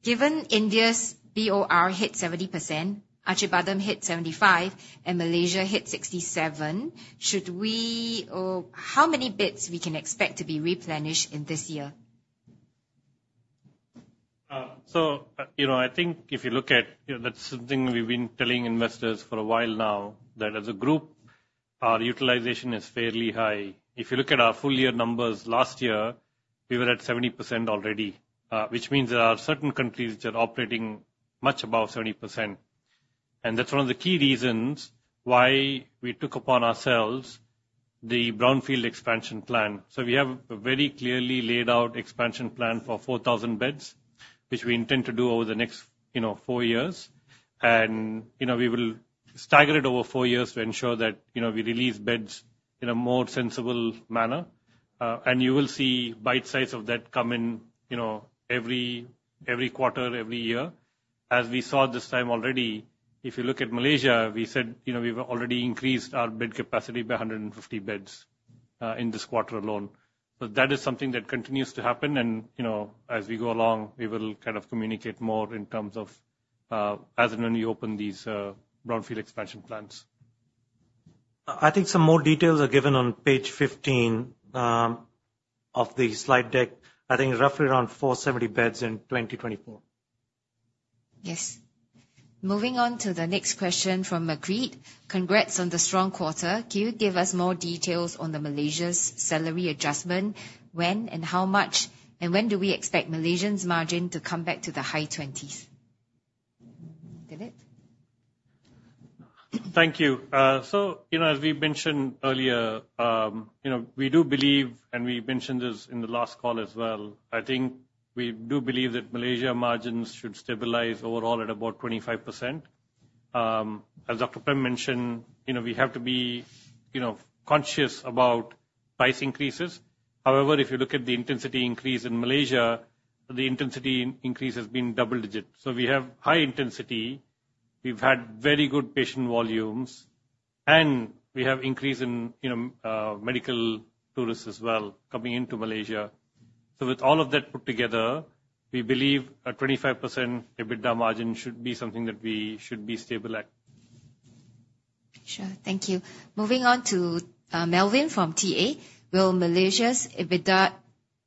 Given India's BOR hit 70%, Acibadem hit 75%, and Malaysia hit 67%, should we or how many beds we can expect to be replenished in this year? So, you know, I think if you look at, you know, that's something we've been telling investors for a while now, that as a group, our utilization is fairly high. If you look at our full year numbers last year, we were at 70% already, which means there are certain countries which are operating much above 70%, and that's one of the key reasons why we took upon ourselves the brownfield expansion plan. So we have a very clearly laid out expansion plan for 4,000 beds, which we intend to do over the next, you know, four years. And, you know, we will stagger it over four years to ensure that, you know, we release beds in a more sensible manner. And you will see bite sizes of that come in, you know, every, every quarter, every year. As we saw this time already, if you look at Malaysia, we said, you know, we've already increased our bed capacity by 150 beds in this quarter alone. So that is something that continues to happen, and, you know, as we go along, we will kind of communicate more in terms of, as and when we open these brownfield expansion plans. I think some more details are given on page 15 of the slide deck. I think roughly around 470 beds in 2024. Yes. Moving on to the next question from Macquarie. Congrats on the strong quarter. Can you give us more details on the Malaysia's salary adjustment? When and how much, and when do we expect Malaysia's margin to come back to the high 20s? Dilip? Thank you. So, you know, as we mentioned earlier, you know, we do believe, and we mentioned this in the last call as well, I think we do believe that Malaysia margins should stabilize overall at about 25%. As Dr. Prem mentioned, you know, we have to be, you know, conscious about price increases. However, if you look at the intensity increase in Malaysia, the intensity in increase has been double digits. So we have high intensity, we've had very good patient volumes, and we have increase in, you know, medical tourists as well, coming into Malaysia. So with all of that put together, we believe a 25% EBITDA margin should be something that we should be stable at. Sure. Thank you. Moving on to Melvin from TA. Will Malaysia's EBITDA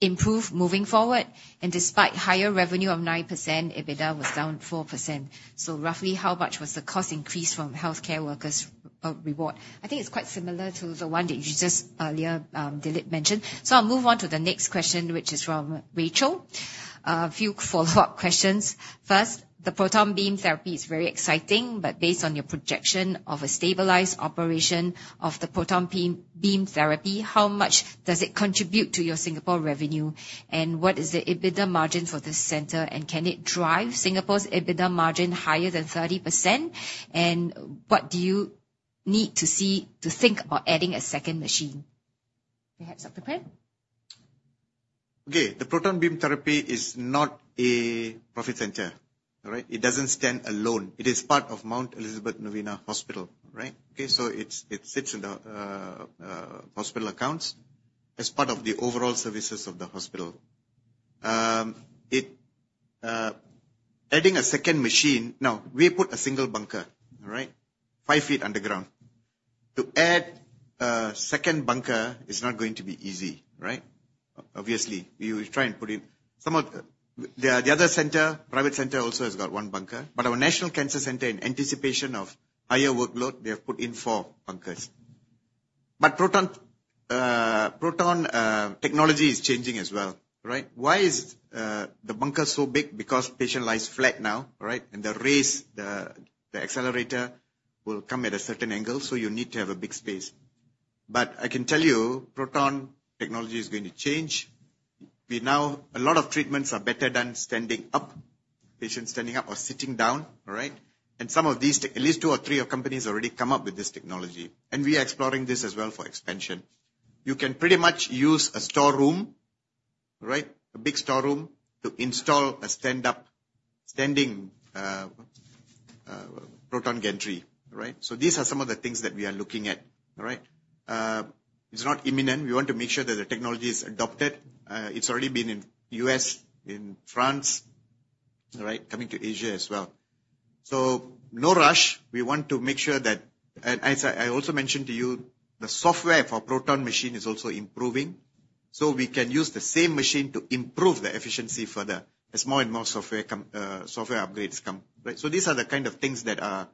improve moving forward? And despite higher revenue of 9%, EBITDA was down 4%. So roughly, how much was the cost increase from healthcare workers' reward? I think it's quite similar to the one that you just earlier, Dilip mentioned. So I'll move on to the next question, which is from Rachel. A few follow-up questions. First, the proton beam therapy is very exciting, but based on your projection of a stabilized operation of the proton beam therapy, how much does it contribute to your Singapore revenue? And what is the EBITDA margin for this center, and can it drive Singapore's EBITDA margin higher than 30%? And what do you need to see to think about adding a second machine? Perhaps, Dr. Prem. Okay, the proton beam therapy is not a profit center. All right? It doesn't stand alone. It is part of Mount Elizabeth Novena Hospital, right? Okay, so it sits in the hospital accounts as part of the overall services of the hospital. Adding a second machine. Now, we put a single bunker, all right, five feet underground. To add a second bunker is not going to be easy, right? Obviously, you try and put it. Some of the other center, private center, also has got one bunker, but our National Cancer Centre, in anticipation of higher workload, they have put in four bunkers. But proton technology is changing as well, right? Why is the bunker so big? Because patient lies flat now, right, and the rays, the accelerator will come at a certain angle, so you need to have a big space. But I can tell you, proton technology is going to change. A lot of treatments are better than standing up, patients standing up or sitting down, all right? And some of these at least two or three of companies already come up with this technology, and we are exploring this as well for expansion. You can pretty much use a store room, right, a big store room, to install a stand up, standing, proton gantry, right? So these are some of the things that we are looking at, all right? It's not imminent. We want to make sure that the technology is adopted. It's already been in U.S., in France, right? Coming to Asia as well. So no rush. We want to make sure that... And as I also mentioned to you, the software for proton machine is also improving, so we can use the same machine to improve the efficiency further as more and more software come, software upgrades come. Right, so these are the kind of things that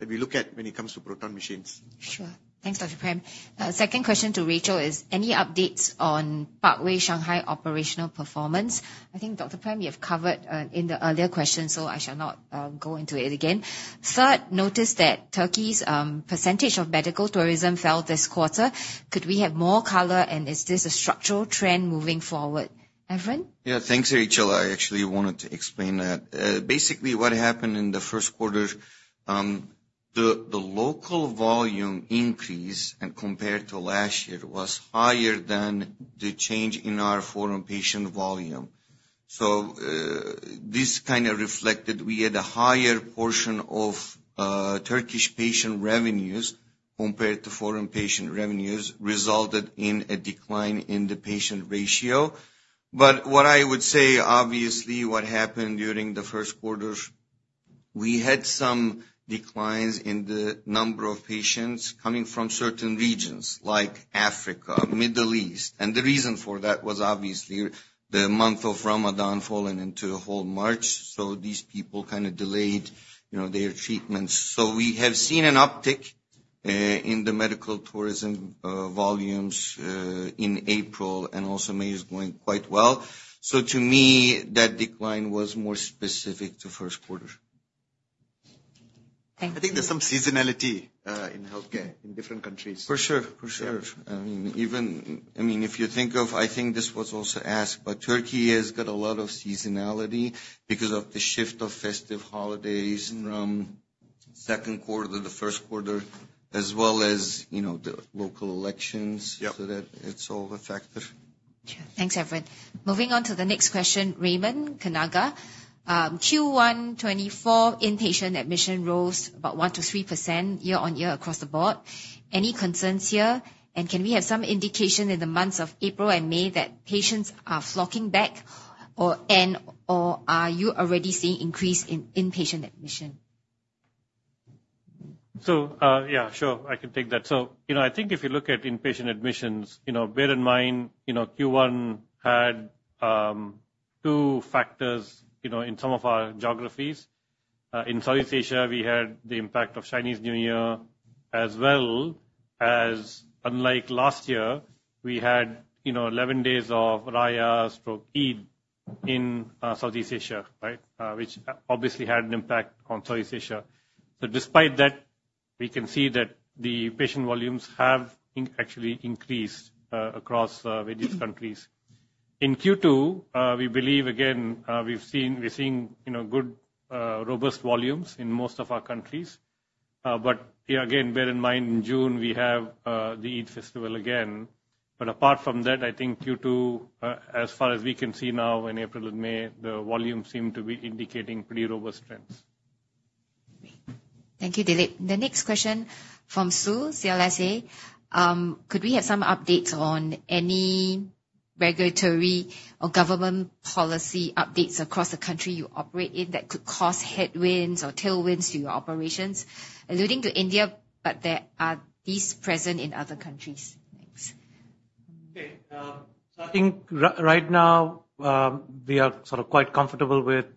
we look at when it comes to proton machines. Sure. Thanks, Dr. Prem. Second question to Rachel is, any updates on Parkway Shanghai operational performance? I think, Dr. Prem, you have covered in the earlier question, so I shall not go into it again. Third, noticed that Turkey's percentage of medical tourism fell this quarter. Could we have more color, and is this a structural trend moving forward? Evren? Yeah. Thanks, Rachel. I actually wanted to explain that. Basically, what happened in the first quarter, the local volume increase compared to last year was higher than the change in our foreign patient volume. So, this kind of reflected, we had a higher portion of Turkish patient revenues compared to foreign patient revenues, resulted in a decline in the patient ratio. But what I would say, obviously, what happened during the first quarter, we had some declines in the number of patients coming from certain regions, like Africa, Middle East. And the reason for that was obviously the month of Ramadan falling into the whole March, so these people kind of delayed, you know, their treatments. So we have seen an uptick in the medical tourism volumes in April, and also May is going quite well. To me, that decline was more specific to first quarter. Thank you. I think there's some seasonality in healthcare in different countries. For sure, for sure. Yeah. I mean, even, I mean, if you think of... I think this was also asked, but Turkey has got a lot of seasonality because of the shift of festive holidays- Mm. from second quarter to the first quarter, as well as, you know, the local elections. Yeah. So that it's all a factor.... Sure. Thanks, Evren. Moving on to the next question, Raymond Choo. Q1 2024 inpatient admission rose about 1%-3% year-on-year across the board. Any concerns here? And can we have some indication in the months of April and May that patients are flocking back, or are you already seeing increase in inpatient admission? So, yeah, sure, I can take that. So, you know, I think if you look at inpatient admissions, you know, bear in mind, you know, Q1 had two factors, you know, in some of our geographies. In Southeast Asia, we had the impact of Chinese New Year, as well as unlike last year, we had, you know, 11 days of Raya/Eid in Southeast Asia, right? Which obviously had an impact on Southeast Asia. So despite that, we can see that the patient volumes have actually increased across various countries. In Q2, we believe, again, we're seeing, you know, good robust volumes in most of our countries. But, yeah, again, bear in mind, in June, we have the Eid festival again. But apart from that, I think Q2, as far as we can see now in April and May, the volumes seem to be indicating pretty robust trends. Thank you, Dilip. The next question from Sue CLSA. Could we have some updates on any regulatory or government policy updates across the country you operate in that could cause headwinds or tailwinds to your operations? Alluding to India, but are these present in other countries? Thanks. Okay, so I think right now, we are sort of quite comfortable with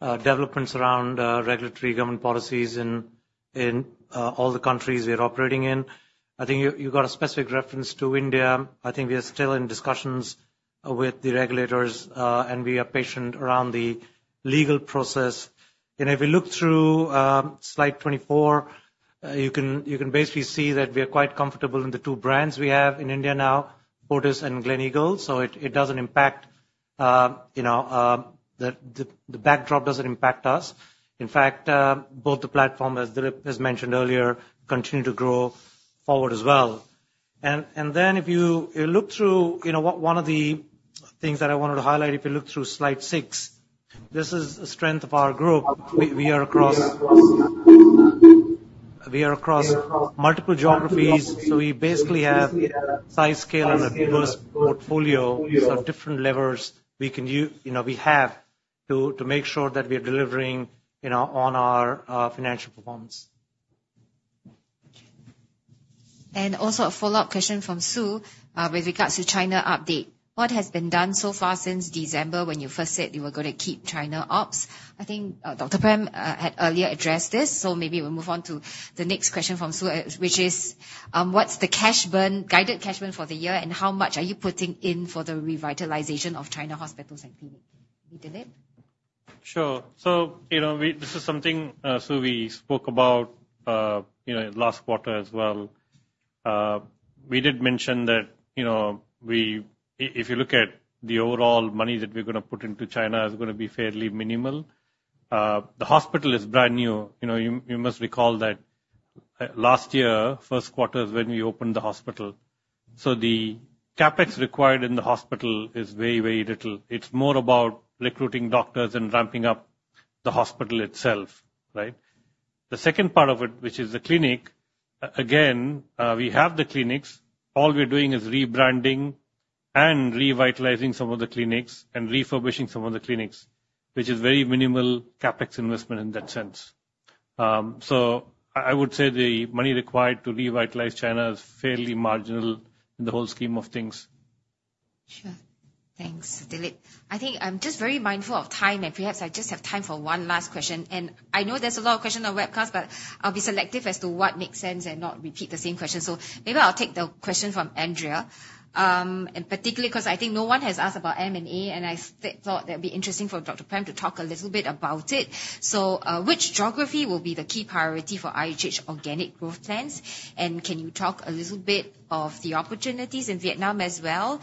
developments around regulatory government policies in all the countries we are operating in. I think you got a specific reference to India. I think we are still in discussions with the regulators, and we are patient around the legal process. And if you look through slide 24, you can basically see that we are quite comfortable in the two brands we have in India now, Fortis and Gleneagles. So it doesn't impact, you know, the backdrop doesn't impact us. In fact, both the platform, as Dilip has mentioned earlier, continue to grow forward as well. And then if you look through... You know, one of the things that I wanted to highlight, if you look through slide six, this is the strength of our group. We are across multiple geographies, so we basically have size, scale, and a diverse portfolio. These are different levers we can you know, we have to make sure that we are delivering, you know, on our financial performance. Also a follow-up question from Sue, with regards to China update. What has been done so far since December, when you first said you were going to keep China ops? I think, Dr. Prem, had earlier addressed this, so maybe we'll move on to the next question from Sue, which is: What's the cash burn, guided cash burn for the year, and how much are you putting in for the revitalization of China hospitals and clinic? Dilip? Sure. So, you know, we—this is something, Sue, we spoke about, you know, last quarter as well. We did mention that, you know, we if you look at the overall money that we're going to put into China, is going to be fairly minimal. The hospital is brand new. You know, you must recall that, last year, first quarter, is when we opened the hospital. So the CapEx required in the hospital is very, very little. It's more about recruiting doctors and ramping up the hospital itself, right? The second part of it, which is the clinic, again, we have the clinics. All we're doing is rebranding and revitalizing some of the clinics and refurbishing some of the clinics, which is very minimal CapEx investment in that sense. So, I would say the money required to revitalize China is fairly marginal in the whole scheme of things. Sure. Thanks, Dilip. I think I'm just very mindful of time, and perhaps I just have time for one last question. And I know there's a lot of questions on webcast, but I'll be selective as to what makes sense and not repeat the same question. So maybe I'll take the question from Andrea, and particularly because I think no one has asked about M&A, and I thought that'd be interesting for Dr. Prem to talk a little bit about it. So, which geography will be the key priority for IHH organic growth plans? And can you talk a little bit of the opportunities in Vietnam as well?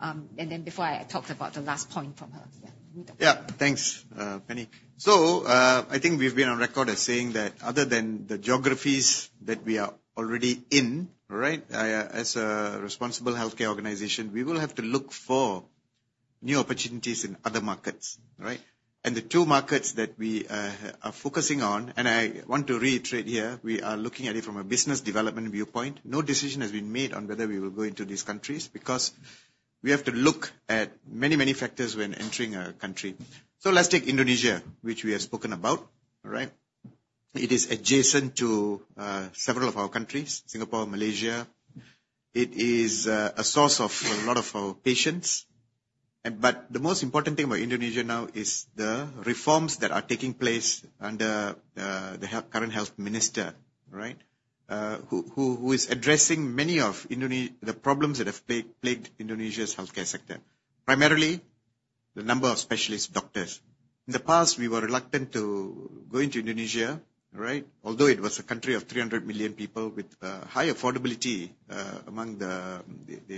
And then before I talk about the last point from her, yeah, Dr. Prem. Yeah. Thanks, Penny. So, I think we've been on record as saying that other than the geographies that we are already in, right, as a responsible healthcare organization, we will have to look for new opportunities in other markets, right? And the two markets that we are focusing on, and I want to reiterate here, we are looking at it from a business development viewpoint. No decision has been made on whether we will go into these countries, because we have to look at many, many factors when entering a country. So let's take Indonesia, which we have spoken about, all right? It is adjacent to several of our countries, Singapore, Malaysia. It is a source of a lot of our patients. But the most important thing about Indonesia now is the reforms that are taking place under the current health minister, right? Who is addressing many of the problems that have plagued Indonesia's healthcare sector, primarily the number of specialist doctors. In the past, we were reluctant to go into Indonesia, right? Although it was a country of 300 million people with high affordability among the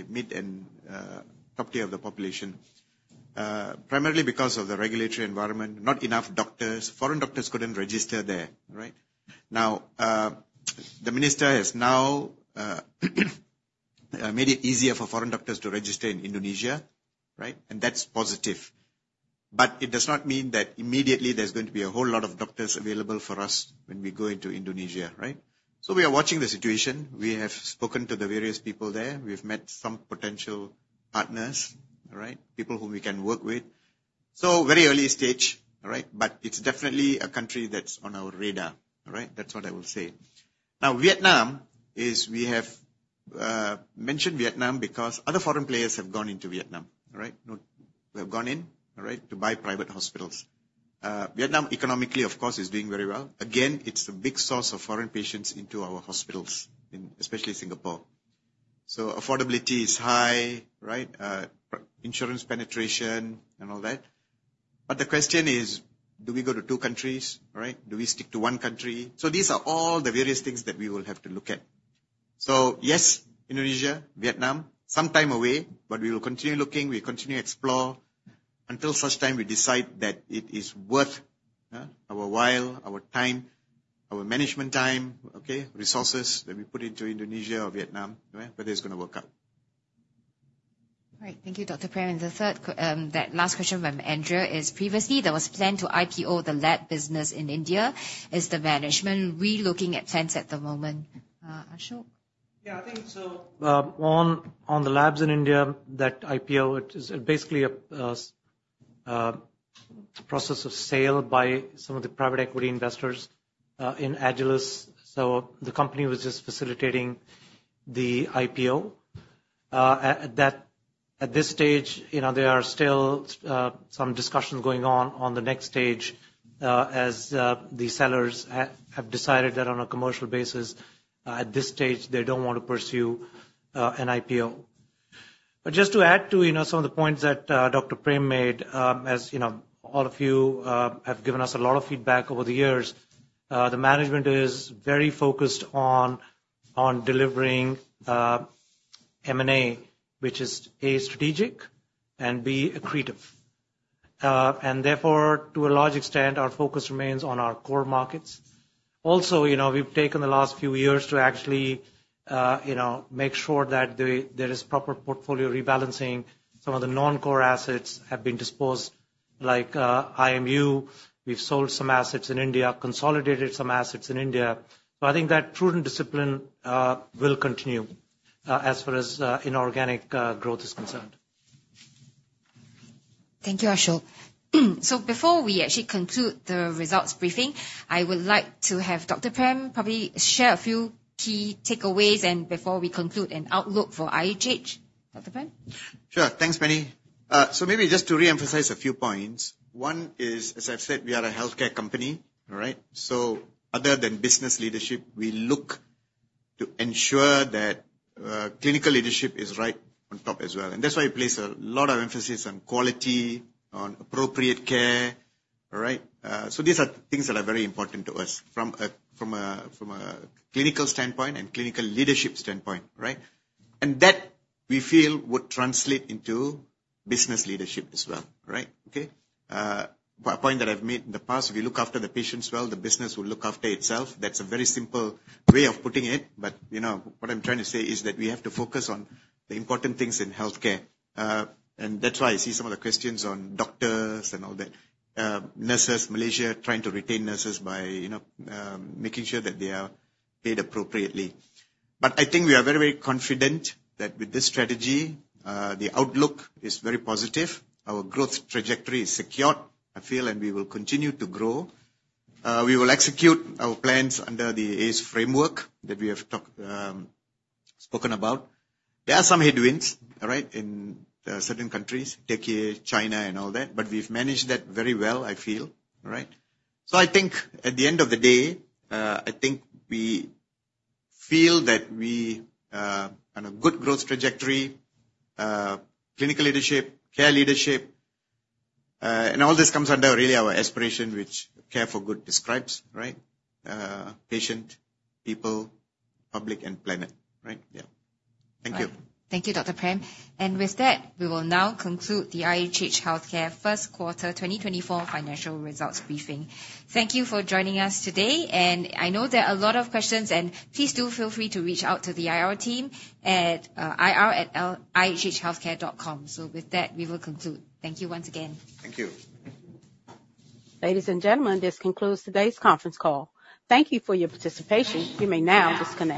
mid and upper tier of the population. Primarily because of the regulatory environment, not enough doctors. Foreign doctors couldn't register there, right? Now the minister has made it easier for foreign doctors to register in Indonesia, right? And that's positive. But it does not mean that immediately there's going to be a whole lot of doctors available for us when we go into Indonesia, right? So we are watching the situation. We have spoken to the various people there. We've met some potential partners, all right, people whom we can work with. So very early stage, all right? But it's definitely a country that's on our radar, all right? That's what I will say. Now, Vietnam is. We have mentioned Vietnam because other foreign players have gone into Vietnam, all right? No, they have gone in, all right, to buy private hospitals. Vietnam, economically, of course, is doing very well. Again, it's a big source of foreign patients into our hospitals, in especially Singapore. So affordability is high, right, insurance penetration and all that. But the question is, do we go to two countries, right? Do we stick to one country? So these are all the various things that we will have to look at. So, yes, Indonesia, Vietnam, some time away, but we will continue looking. We continue to explore until such time we decide that it is worth our while, our time, our management time, okay, resources that we put into Indonesia or Vietnam, all right, whether it's gonna work out. All right. Thank you, Dr. Prem. And the third, that last question from Andrea is: Previously, there was a plan to IPO the lab business in India. Is the management re-looking at plans at the moment, Ashok? Yeah, I think so. On the labs in India, that IPO, it is basically a process of sale by some of the private equity investors in Agilus. So the company was just facilitating the IPO. At this stage, you know, there are still some discussions going on on the next stage, as the sellers have decided that on a commercial basis, at this stage, they don't want to pursue an IPO. But just to add to, you know, some of the points that Dr. Prem made, as you know, all of you have given us a lot of feedback over the years, the management is very focused on delivering M&A, which is, A, strategic, and B, accretive. And therefore, to a large extent, our focus remains on our core markets. Also, you know, we've taken the last few years to actually, you know, make sure that there is proper portfolio rebalancing. Some of the non-core assets have been disposed, like, IMU. We've sold some assets in India, consolidated some assets in India. So I think that prudent discipline will continue, as far as, inorganic growth is concerned. Thank you, Ashok. So before we actually conclude the results briefing, I would like to have Dr. Prem probably share a few key takeaways, and before we conclude, an outlook for IHH. Dr. Prem? Sure. Thanks, Penny. So maybe just to reemphasize a few points. One is, as I've said, we are a healthcare company, all right? So other than business leadership, we look to ensure that, clinical leadership is right on top as well. And that's why I place a lot of emphasis on quality, on appropriate care. All right? So these are things that are very important to us from a clinical standpoint and clinical leadership standpoint, right? And that, we feel, would translate into business leadership as well, right? Okay. A point that I've made in the past, if you look after the patients well, the business will look after itself. That's a very simple way of putting it, but, you know, what I'm trying to say is that we have to focus on the important things in healthcare. And that's why I see some of the questions on doctors and all that. Nurses, Malaysia trying to retain nurses by, you know, making sure that they are paid appropriately. But I think we are very, very confident that with this strategy, the outlook is very positive. Our growth trajectory is secure, I feel, and we will continue to grow. We will execute our plans under the ACE Framework that we have spoken about. There are some headwinds, all right, in certain countries, Turkey, China and all that, but we've managed that very well, I feel, all right? So I think at the end of the day, I think we feel that we are on a good growth trajectory. Clinical leadership, care leadership, and all this comes under really our aspiration, which Care. For Good. describes, right? Patient, people, public, and planet, right? Yeah. Thank you. Thank you, Dr. Prem. With that, we will now conclude the IHH Healthcare First Quarter 2024 financial results briefing. Thank you for joining us today, and I know there are a lot of questions, and please do feel free to reach out to the IR team at ir@ihhhealthcare.com. With that, we will conclude. Thank you once again. Thank you. Ladies and gentlemen, this concludes today's conference call. Thank you for your participation. You may now disconnect.